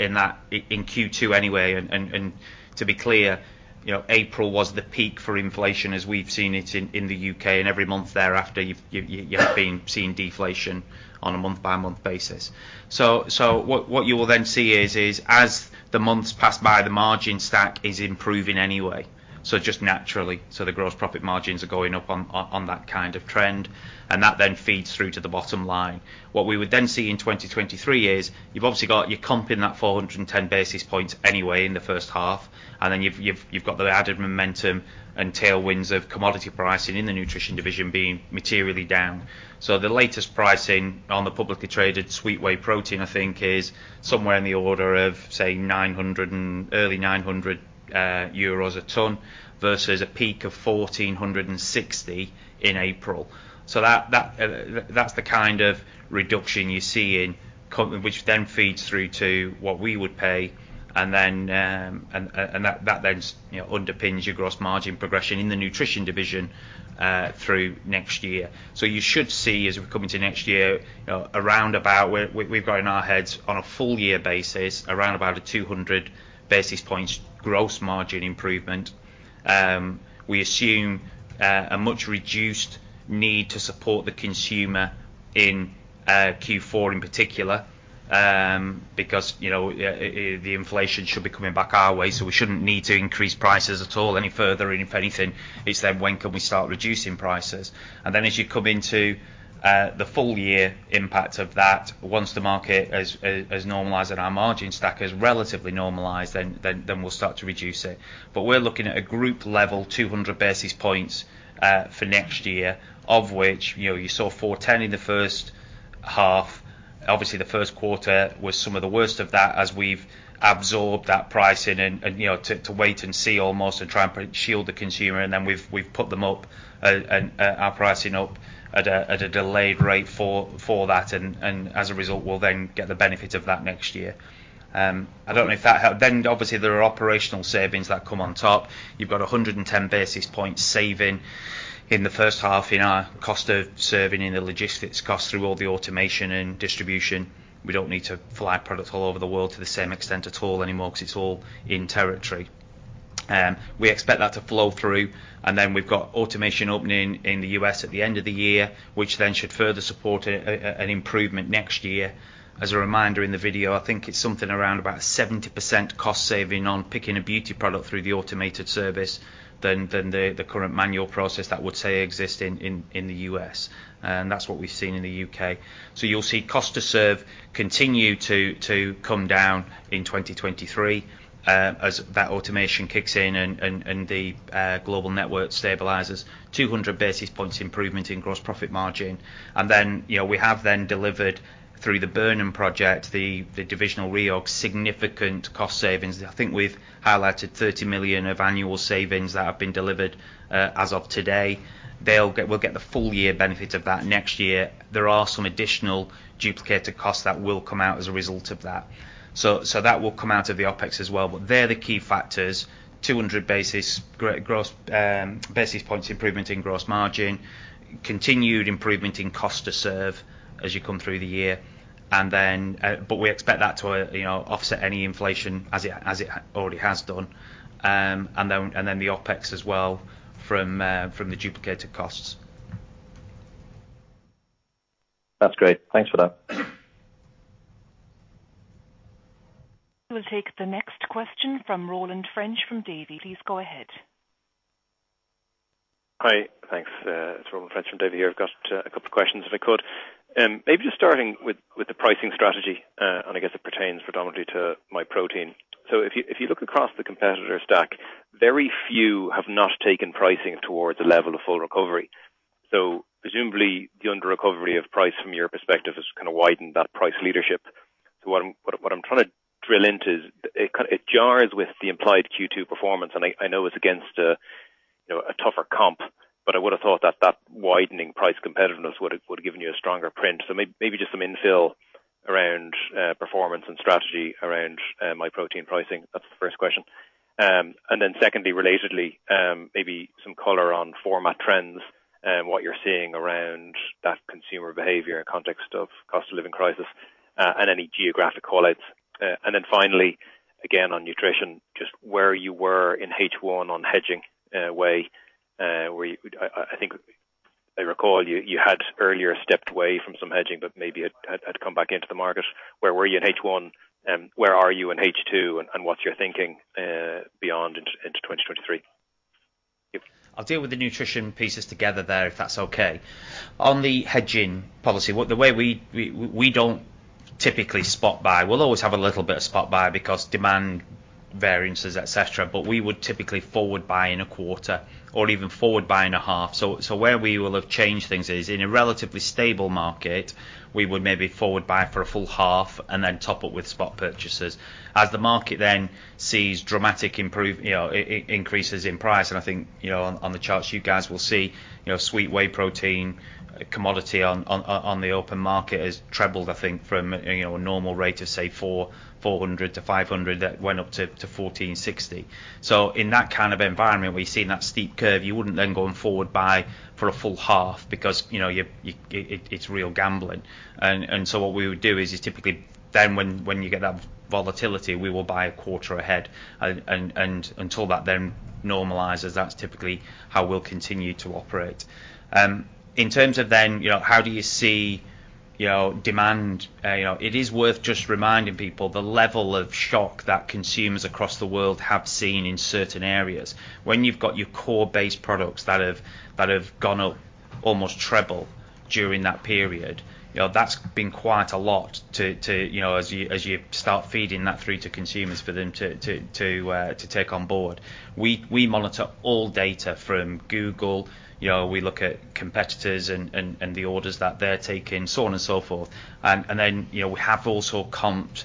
be clear, you know, April was the peak for inflation as we've seen it in the U.K., and every month thereafter, you've been seeing deflation on a month-by-month basis. What you will then see is as the months pass by, the margin stack is improving anyway. Just naturally. The gross profit margins are going up on that kind of trend, and that then feeds through to the bottom line. What we would then see in 2023 is you've obviously got your comp in that 410 basis points anyway in the first half, and then you've got the added momentum and tailwinds of commodity pricing in the nutrition division being materially down. The latest pricing on the publicly traded sweet whey protein, I think, is somewhere in the order of, say, early 900 euros a ton versus a peak of 1,460 in April. That's the kind of reduction you see in which then feeds through to what we would pay, that then underpins your gross margin progression in the nutrition division through next year. You should see, as we come into next year, you know, around about where we've got in our heads on a full year basis, around about 200 basis points gross margin improvement. We assume a much reduced need to support the consumer in Q4 in particular, because, you know, the inflation should be coming back our way, so we shouldn't need to increase prices at all any further. If anything, it's then when can we start reducing prices? Then as you come into the full year impact of that once the market has normalized and our margin stack has relatively normalized, then we'll start to reduce it. But we're looking at a group level 200 basis points for next year, of which, you know, you saw 410 in the first half. Obviously, the first quarter was some of the worst of that as we've absorbed that pricing and you know to wait and see almost and try and shield the consumer, and then we've put them up and our pricing up at a delayed rate for that. As a result, we'll then get the benefit of that next year. I don't know if that helps. Obviously there are operational savings that come on top. You've got 110 basis points saving in the first half in our cost of serving, in the logistics cost through all the automation and distribution. We don't need to fly product all over the world to the same extent at all anymore 'cause it's all in territory. We expect that to flow through, and then we've got automation opening in the U.S. at the end of the year, which then should further support an improvement next year. As a reminder in the video, I think it's something around about 70% cost saving on picking a beauty product through the automated service than the current manual process that would exist in the U.S. That's what we've seen in the U.K. You'll see cost to serve continue to come down in 2023, as that automation kicks in and the global network stabilizes. 200 basis points improvement in gross profit margin. Then, you know, we have delivered through the Burnham project, the divisional reorg, significant cost savings. I think we've highlighted 30 million of annual savings that have been delivered, as of today. We'll get the full year benefit of that next year. There are some additional duplicated costs that will come out as a result of that. That will come out of the OpEx as well. They're the key factors, 200 basis points improvement in gross margin, continued improvement in cost to serve as you come through the year. Then we expect that to you know offset any inflation as it already has done. Then the OpEx as well from the duplicated costs. That's great. Thanks for that. We'll take the next question from Roland French from Davy. Please go ahead. Hi. Thanks. It's Roland French from Davy here. I've got a couple questions if I could. Maybe just starting with the pricing strategy, and I guess it pertains predominantly to Myprotein. If you look across the competitor stack, very few have not taken pricing towards a level of full recovery. Presumably the underrecovery of price from your perspective has kind of widened that price leadership. What I'm trying to drill into is it jars with the implied Q2 performance, and I know it's against a, you know, a tougher comp, but I would have thought that that widening price competitiveness would have given you a stronger print. Maybe just some infill around performance and strategy around Myprotein pricing. That's the first question. Secondly, relatedly, maybe some color on format trends and what you're seeing around that consumer behavior in context of cost of living crisis, and any geographic call-outs. Finally, again, on nutrition, just where you were in H1 on hedging whey, where you, I think I recall you had earlier stepped away from some hedging, but maybe it had come back into the market. Where were you in H1, where are you in H2 and what's your thinking beyond into 2023? I'll deal with the nutrition pieces together there if that's okay. On the hedging policy, the way we don't typically spot buy. We'll always have a little bit of spot buy because demand variances, et cetera, but we would typically forward buy in a quarter or even forward buy in a half. Where we will have changed things is in a relatively stable market, we would maybe forward buy for a full half and then top up with spot purchases. As the market then sees dramatic improvement, you know, increases in price, and I think, you know, on the charts you guys will see, you know, sweet whey protein commodity on the open market has trebled, I think, from, you know, a normal rate of, say, 400-500 that went up to 1460. In that kind of environment, we've seen that steep curve, you wouldn't then go and forward buy for a full half because, you know, it's real gambling. What we would do is typically then when you get that volatility, we will buy a quarter ahead. Until that then normalizes, that's typically how we'll continue to operate. In terms of then, you know, how do you see, you know, demand? You know, it is worth just reminding people the level of shock that consumers across the world have seen in certain areas. When you've got your core base products that have gone up almost treble during that period, you know, that's been quite a lot to, you know, as you start feeding that through to consumers for them to take on board. We monitor all data from Google. You know, we look at competitors and the orders that they're taking, so on and so forth. Then, you know, we have also comped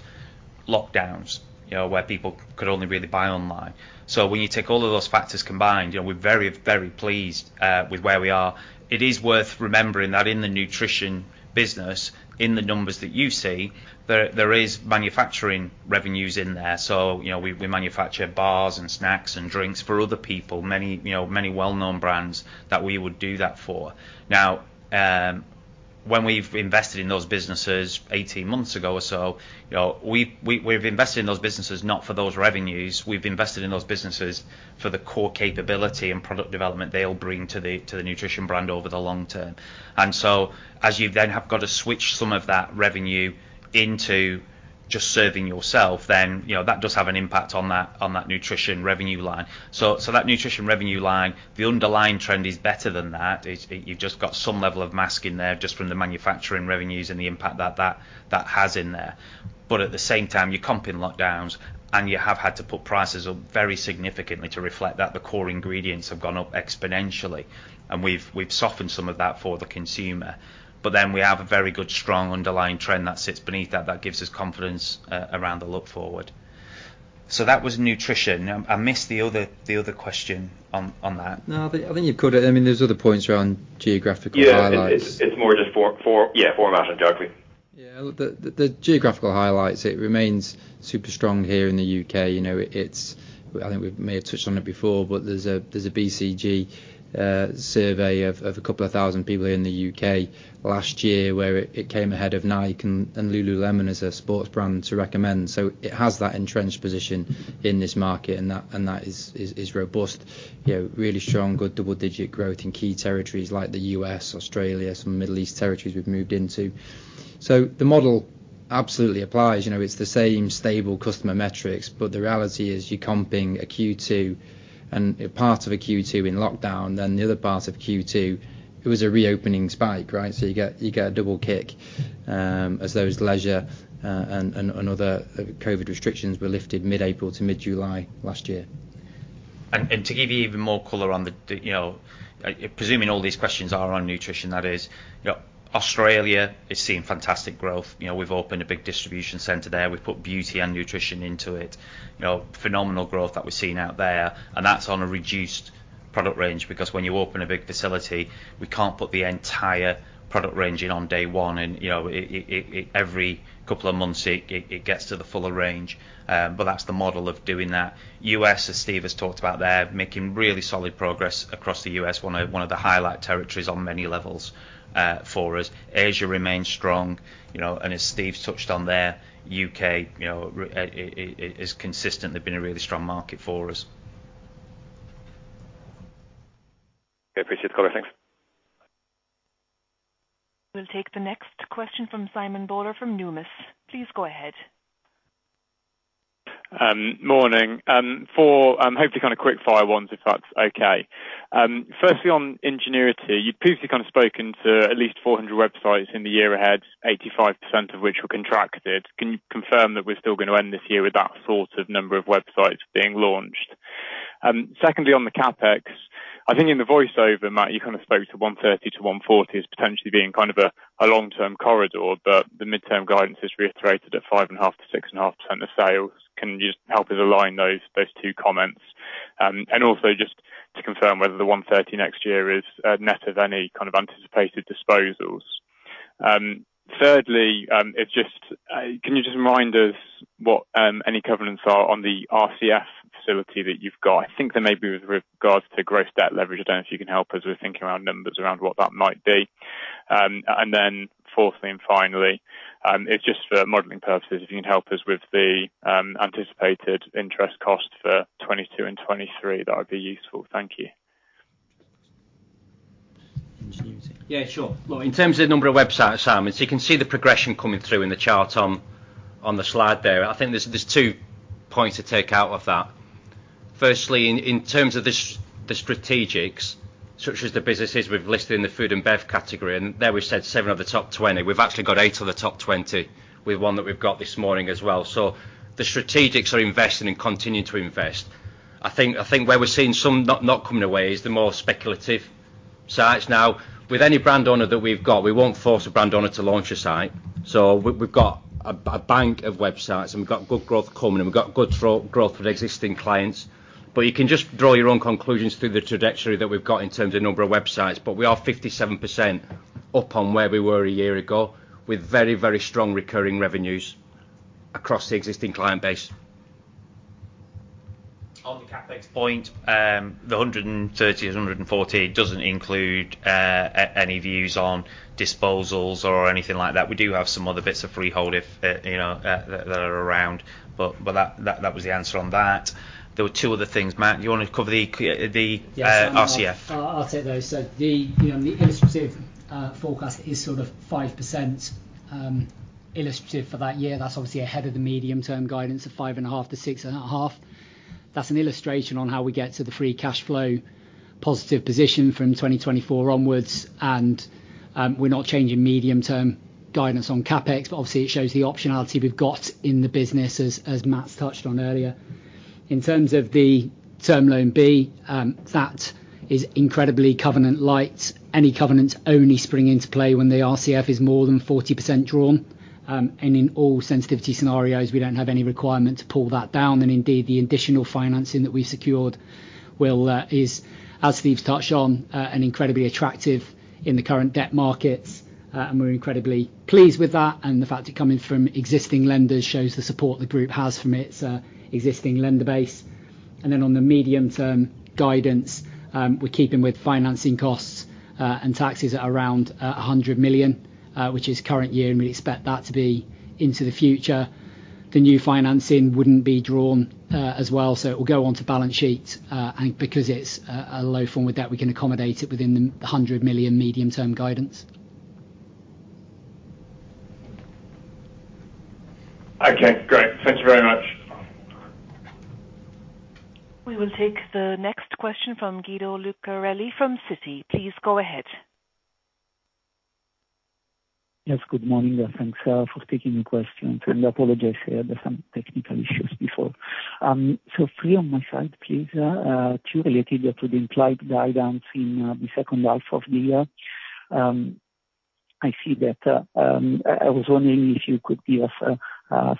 lockdowns, you know, where people could only really buy online. When you take all of those factors combined, you know, we're very pleased with where we are. It is worth remembering that in the nutrition business, in the numbers that you see, there is manufacturing revenues in there. You know, we manufacture bars and snacks and drinks for other people, many well-known brands that we would do that for. When we've invested in those businesses 18 months ago or so, you know, we've invested in those businesses not for those revenues. We've invested in those businesses for the core capability and product development they all bring to the nutrition brand over the long term. As you then have got to switch some of that revenue into just serving yourself, then, you know, that does have an impact on that nutrition revenue line. That nutrition revenue line, the underlying trend is better than that. You've just got some level of masking there just from the manufacturing revenues and the impact that has in there. At the same time, you're comping lockdowns, and you have had to put prices up very significantly to reflect that the core ingredients have gone up exponentially. We've softened some of that for the consumer. We have a very good strong underlying trend that sits beneath that that gives us confidence around the outlook. That was nutrition. I missed the other question on that. No, I think you've got it. I mean, there's other points around geographical highlights. Yeah. It's more just for, yeah, for. Yeah. The geographical highlights, it remains super strong here in the U.K. You know, it's I think we may have touched on it before, but there's a BCG survey of a couple of thousand people here in the U.K. last year where it came ahead of Nike and lululemon as a sports brand to recommend. It has that entrenched position in this market, and that is robust. You know, really strong, good double-digit growth in key territories like the U.S., Australia, some Middle East territories we've moved into. The model absolutely applies. You know, it's the same stable customer metrics, but the reality is you're comping a Q2 and a part of a Q2 in lockdown, then the other part of Q2, it was a reopening spike, right? You get a double kick as those leisure and other COVID restrictions were lifted mid-April to mid-July last year. To give you even more color, you know, presuming all these questions are on nutrition, that is, you know, Australia is seeing fantastic growth. You know, we've opened a big distribution center there. We've put beauty and nutrition into it. You know, phenomenal growth that we're seeing out there, and that's on a reduced product range, because when you open a big facility, we can't put the entire product range in on day one and, you know, every couple of months it gets to the fuller range. But that's the model of doing that. U.S., as Steve has talked about there, making really solid progress across the U.S., one of the highlight territories on many levels, for us. Asia remains strong, you know, and as Steve's touched on there, U.K, you know, it is consistent. They've been a really strong market for us. Okay. Appreciate the color. Thanks. We'll take the next question from Simon Bowler from Numis. Please go ahead. Morning. Four hopefully kind of quick-fire ones if that's okay. Firstly, on Ingenuity, you've previously kind of spoken to at least 400 websites in the year ahead, 85% of which were contracted. Can you confirm that we're still gonna end this year with that sort of number of websites being launched? Secondly, on the CapEx, I think in the voiceover, Matt, you kind of spoke to 130-140 as potentially being kind of a long-term corridor, but the midterm guidance is reiterated at 5.5%-6.5% of sales. Can you just help us align those two comments? Also just to confirm whether the 130 next year is net of any kind of anticipated disposals. Thirdly, can you just remind us what any covenants are on the RCF facility that you've got? I think there may be with regards to growth debt leverage. I don't know if you can help us with thinking around numbers around what that might be. Then fourthly and finally, it's just for modeling purposes. If you can help us with the anticipated interest cost for 2022 and 2023, that would be useful. Thank you. Ingenuity. Yeah, sure. Well, in terms of the number of websites, Simon, so you can see the progression coming through in the chart on the slide there. I think there's two points to take out of that. Firstly, in terms of the strategics, such as the businesses we've listed in the food and bev category, and there we've said seven of the top 20. We've actually got eight of the top 20 with 1 that we've got this morning as well. The strategics are investing and continuing to invest. I think where we're seeing some not coming away is the more speculative sites. Now, with any brand owner that we've got, we won't force a brand owner to launch a site. We've got a bank of websites, and we've got good growth coming, and we've got good growth with existing clients. You can just draw your own conclusions through the trajectory that we've got in terms of number of websites, but we are 57% up on where we were a year ago with very, very strong recurring revenues across the existing client base. On the CapEx point, the 130-140 doesn't include any views on disposals or anything like that. We do have some other bits of freehold if you know that are around. That was the answer on that. There were two other things. Matt, do you wanna cover the RCF? Yeah. I'll take those. The, you know, the illustrative forecast is sort of 5% illustrative for that year. That's obviously ahead of the medium-term guidance of 5.5%-6.5%. That's an illustration on how we get to the free cash flow positive position from 2024 onwards. We're not changing medium-term guidance on CapEx, but obviously it shows the optionality we've got in the business as Matt's touched on earlier. In terms of the Term Loan B, that is incredibly covenant light. Any covenants only spring into play when the RCF is more than 40% drawn. In all sensitivity scenarios, we don't have any requirement to pull that down. Indeed, the additional financing that we secured is, as Steve's touched on, an incredibly attractive one in the current debt markets. We're incredibly pleased with that, and the fact it's coming from existing lenders shows the support the group has from its existing lender base. On the medium-term guidance, we're keeping financing costs and taxes at around 100 million, which is current year, and we expect that to be into the future. The new financing wouldn't be drawn as well, so it will go onto the balance sheet. Because it's a low-cost form of debt, we can accommodate it within the 100 million medium-term guidance. Okay, great. Thank you very much. We will take the next question from Guido Lucarelli from Citi. Please go ahead. Yes, good morning there. Thanks for taking the question. I apologize, there are some technical issues before. Three on my side, please. Two related to the implied guidance in the second half of the year. I see that. I was wondering if you could give us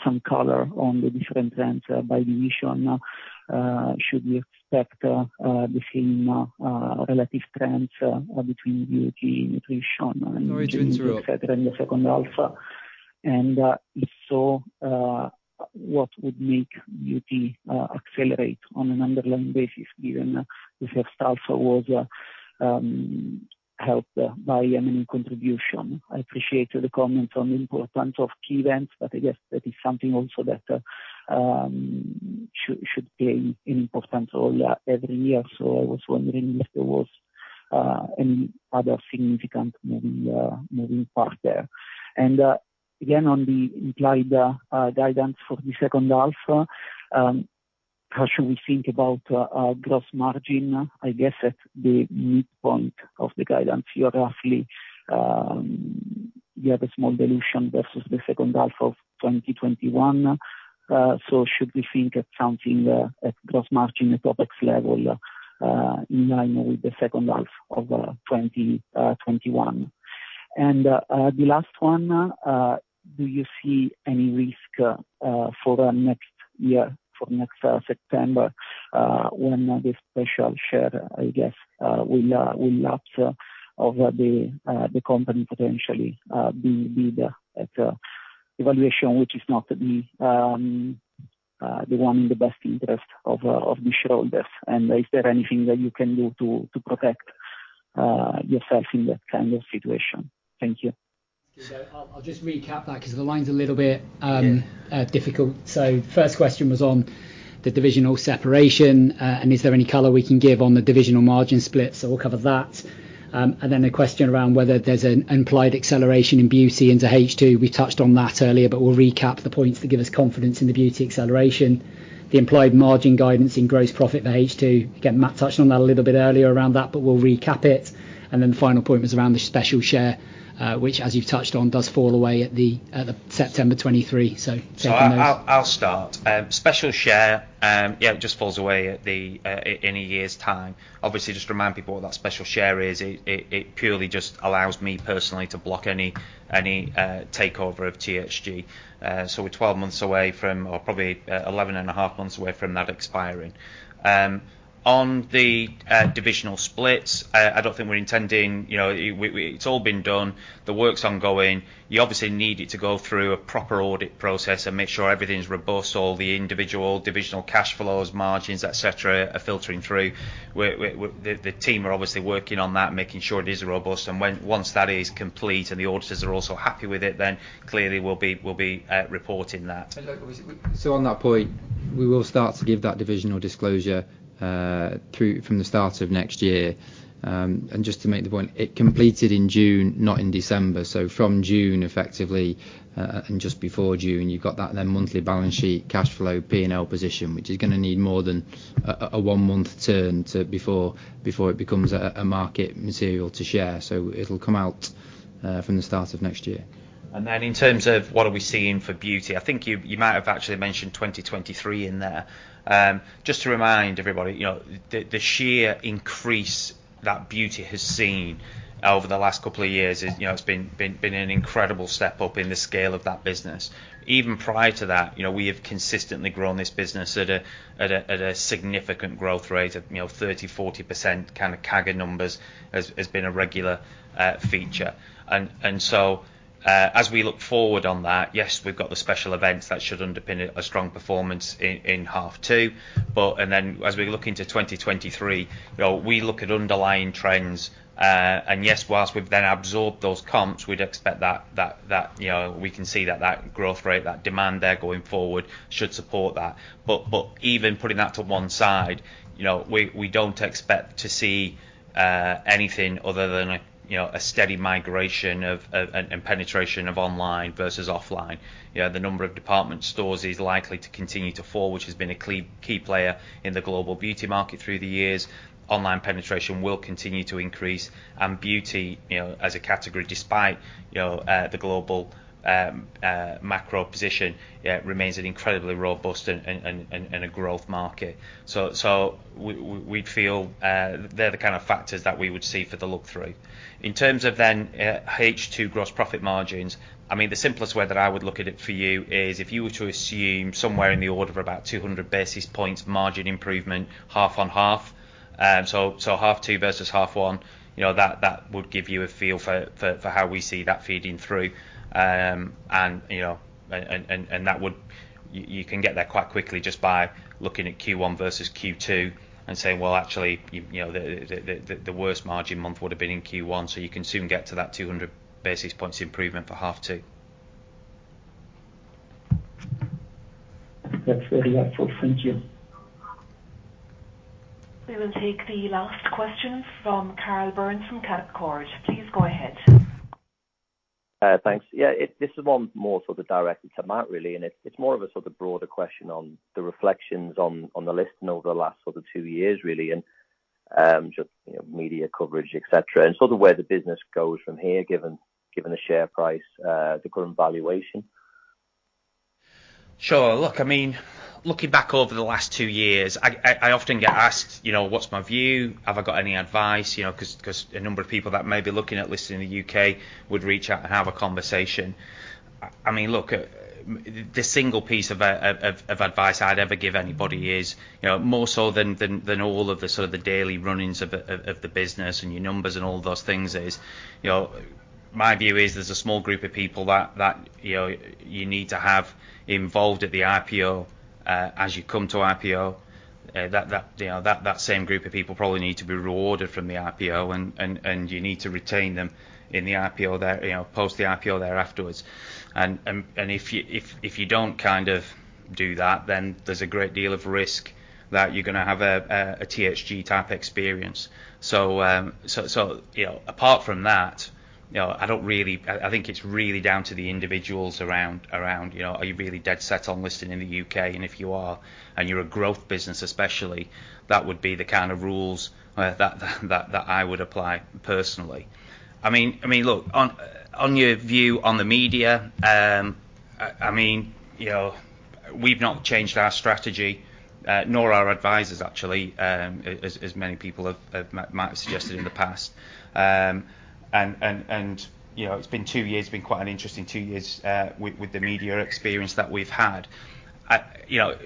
some color on the different trends by division. Should we expect the same relative trends between beauty, nutrition and- Sorry to interrupt. Et cetera in the second half? If so, what would make Beauty accelerate on an underlying basis given the first half was helped by a meaningful contribution? I appreciate the comments on the importance of key events, but I guess that is something also that should play an important role every year. I was wondering if there was any other significant moving part there. Again, on the implied guidance for the second half, how should we think about gross margin? I guess at the midpoint of the guidance, you roughly have a small dilution versus the second half of 2021. Should we think of something at gross margin at OpEx level in line with the second half of 2021? The last one, do you see any risk for the next year, for next September, when the special share, I guess, will lapse or the company potentially being the target at a valuation which is not the one in the best interest of the shareholders? Is there anything that you can do to protect yourself in that kind of situation? Thank you. I'll just recap that because the line's a little bit. Yeah. Difficult. First question was on the divisional separation, and is there any color we can give on the divisional margin split, so we'll cover that. Then the question around whether there's an implied acceleration in beauty into H2, we touched on that earlier, but we'll recap the points that give us confidence in the beauty acceleration. The implied margin guidance in gross profit for H2. Again, Matt touched on that a little bit earlier around that, but we'll recap it. Then final point was around the special share, which as you've touched on, does fall away at the September 2023. Taking notes. I'll start. Special share, yeah, it just falls away in a year's time. Obviously, just remind people what that special share is. It purely just allows me personally to block any takeover of THG. We're 12 months away from or probably 11.5 months away from that expiring. On the divisional splits, I don't think we're intending, you know. It's all been done, the work's ongoing. You obviously need it to go through a proper audit process and make sure everything's robust. All the individual divisional cash flows, margins, et cetera, are filtering through. The team are obviously working on that, making sure it is robust. Once that is complete and the auditors are also happy with it, then clearly we'll be reporting that. On that point, we will start to give that divisional disclosure from the start of next year. Just to make the point, it completed in June, not in December. From June effectively, and just before June, you've got that then monthly balance sheet, cash flow, P&L position, which is gonna need more than a one-month turn before it becomes a market material to share. It'll come out from the start of next year. In terms of what are we seeing for beauty, I think you might have actually mentioned 2023 in there. Just to remind everybody, you know, the sheer increase that beauty has seen over the last couple of years is, you know, has been an incredible step up in the scale of that business. Even prior to that, you know, we have consistently grown this business at a significant growth rate of, you know, 30%-40% kind of CAGR numbers has been a regular feature. As we look forward on that, yes, we've got the special events that should underpin a strong performance in half two. As we look into 2023, you know, we look at underlying trends. Yes, while we've then absorbed those comps, we'd expect that, you know, we can see that growth rate, that demand there going forward should support that. But even putting that to one side, you know, we don't expect to see anything other than a, you know, a steady migration and penetration of online versus offline. You know, the number of department stores is likely to continue to fall, which has been a key player in the global beauty market through the years. Online penetration will continue to increase. Beauty, you know, as a category, despite, you know, the global macro position, yeah, remains an incredibly robust and a growth market. We, we'd feel they're the kind of factors that we would see for the look-through. In terms of then, H2 gross profit margins, I mean, the simplest way that I would look at it for you is if you were to assume somewhere in the order of about 200 basis points margin improvement, half on half. Half two versus half one, you know, that would give you a feel for how we see that feeding through. You can get there quite quickly just by looking at Q1 versus Q2 and saying, "Well, actually, you know, the worst margin month would have been in Q1." You can soon get to that 200 basis points improvement for half two. That's very helpful. Thank you. We will take the last question from Karl Burns from Canaccord. Please go ahead. Thanks. Yeah, this is one more sort of directed to Mark really, and it's more of a sort of broader question on the reflections on the listing over the last sort of two years really, and just, you know, media coverage, et cetera, and sort of where the business goes from here, given the share price, the current valuation. Sure. Look, I mean, looking back over the last two years, I often get asked, you know, what's my view? Have I got any advice? You know, 'cause a number of people that may be looking at listing in the U.K. would reach out and have a conversation. I mean, look, the single piece of advice I'd ever give anybody is, you know, more so than all of the sort of the daily run-ins of the business and your numbers and all those things is, you know, my view is there's a small group of people that, you know, you need to have involved at the IPO as you come to IPO. That same group of people probably need to be rewarded from the IPO and you need to retain them in the IPO there, you know, post the IPO there afterwards. If you don't kind of do that, then there's a great deal of risk that you're gonna have a THG type experience. You know, apart from that, you know, I don't really. I think it's really down to the individuals around, you know, are you really dead set on listing in the U.K.? If you are, and you're a growth business especially, that would be the kind of rules that I would apply personally. I mean, look, on your view on the media, I mean, you know, we've not changed our strategy, nor our advisors actually, as many people, Mark, might have suggested in the past. You know, it's been two years, quite an interesting two years, with the media experience that we've had. You know,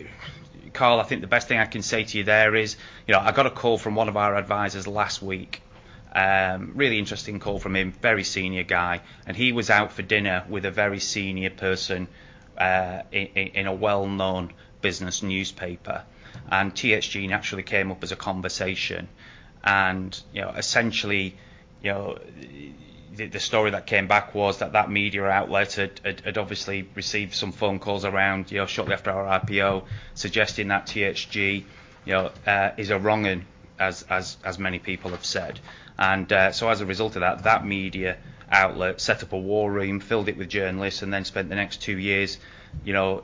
Karl, I think the best thing I can say to you there is, you know, I got a call from one of our advisors last week, really interesting call from him, very senior guy, and he was out for dinner with a very senior person, in a well-known business newspaper. THG naturally came up as a conversation. You know, essentially, you know, the story that came back was that that media outlet had obviously received some phone calls around, you know, shortly after our IPO suggesting that THG, you know, is a wrong 'un as many people have said. As a result of that media outlet set up a war room, filled it with journalists, and then spent the next two years, you know,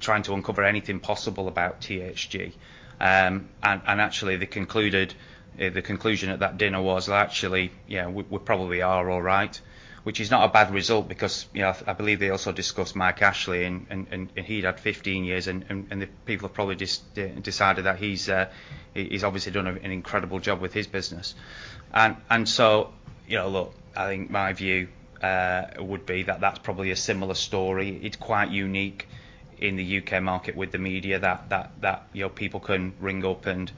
trying to uncover anything possible about THG. Actually, they concluded... The conclusion at that dinner was actually, you know, we probably are all right, which is not a bad result because, you know, I believe they also discussed Mike Ashley and he'd had 15 years and the people have probably just decided that he's obviously done an incredible job with his business. You know, look, I think my view would be that that's probably a similar story. It's quite unique in the U.K. market with the media that, you know, people can ring up and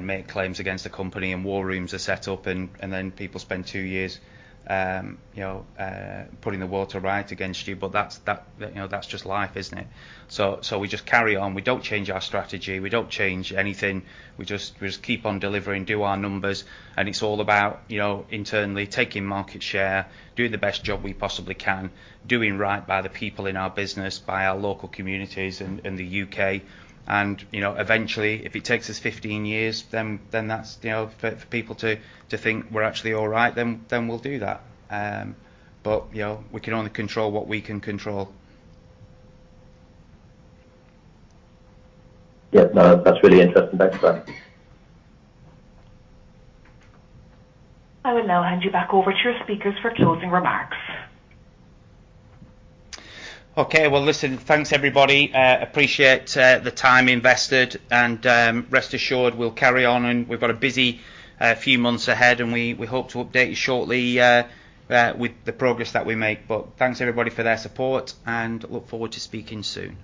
make claims against a company and war rooms are set up and then people spend years, you know, putting the world to right against you, but that's, you know, that's just life, isn't it? We just carry on. We don't change our strategy. We don't change anything. We just keep on delivering, do our numbers, and it's all about, you know, internally taking market share, doing the best job we possibly can, doing right by the people in our business, by our local communities in the U.K. You know, eventually, if it takes us 15 years, then that's, you know, for people to think we're actually all right, then we'll do that. You know, we can only control what we can control. Yeah, no, that's really interesting. Thanks for that. I will now hand you back over to your speakers for closing remarks. Okay. Well, listen, thanks, everybody. Appreciate the time invested, and rest assured we'll carry on and we've got a busy few months ahead, and we hope to update you shortly with the progress that we make. Thanks, everybody, for their support, and look forward to speaking soon.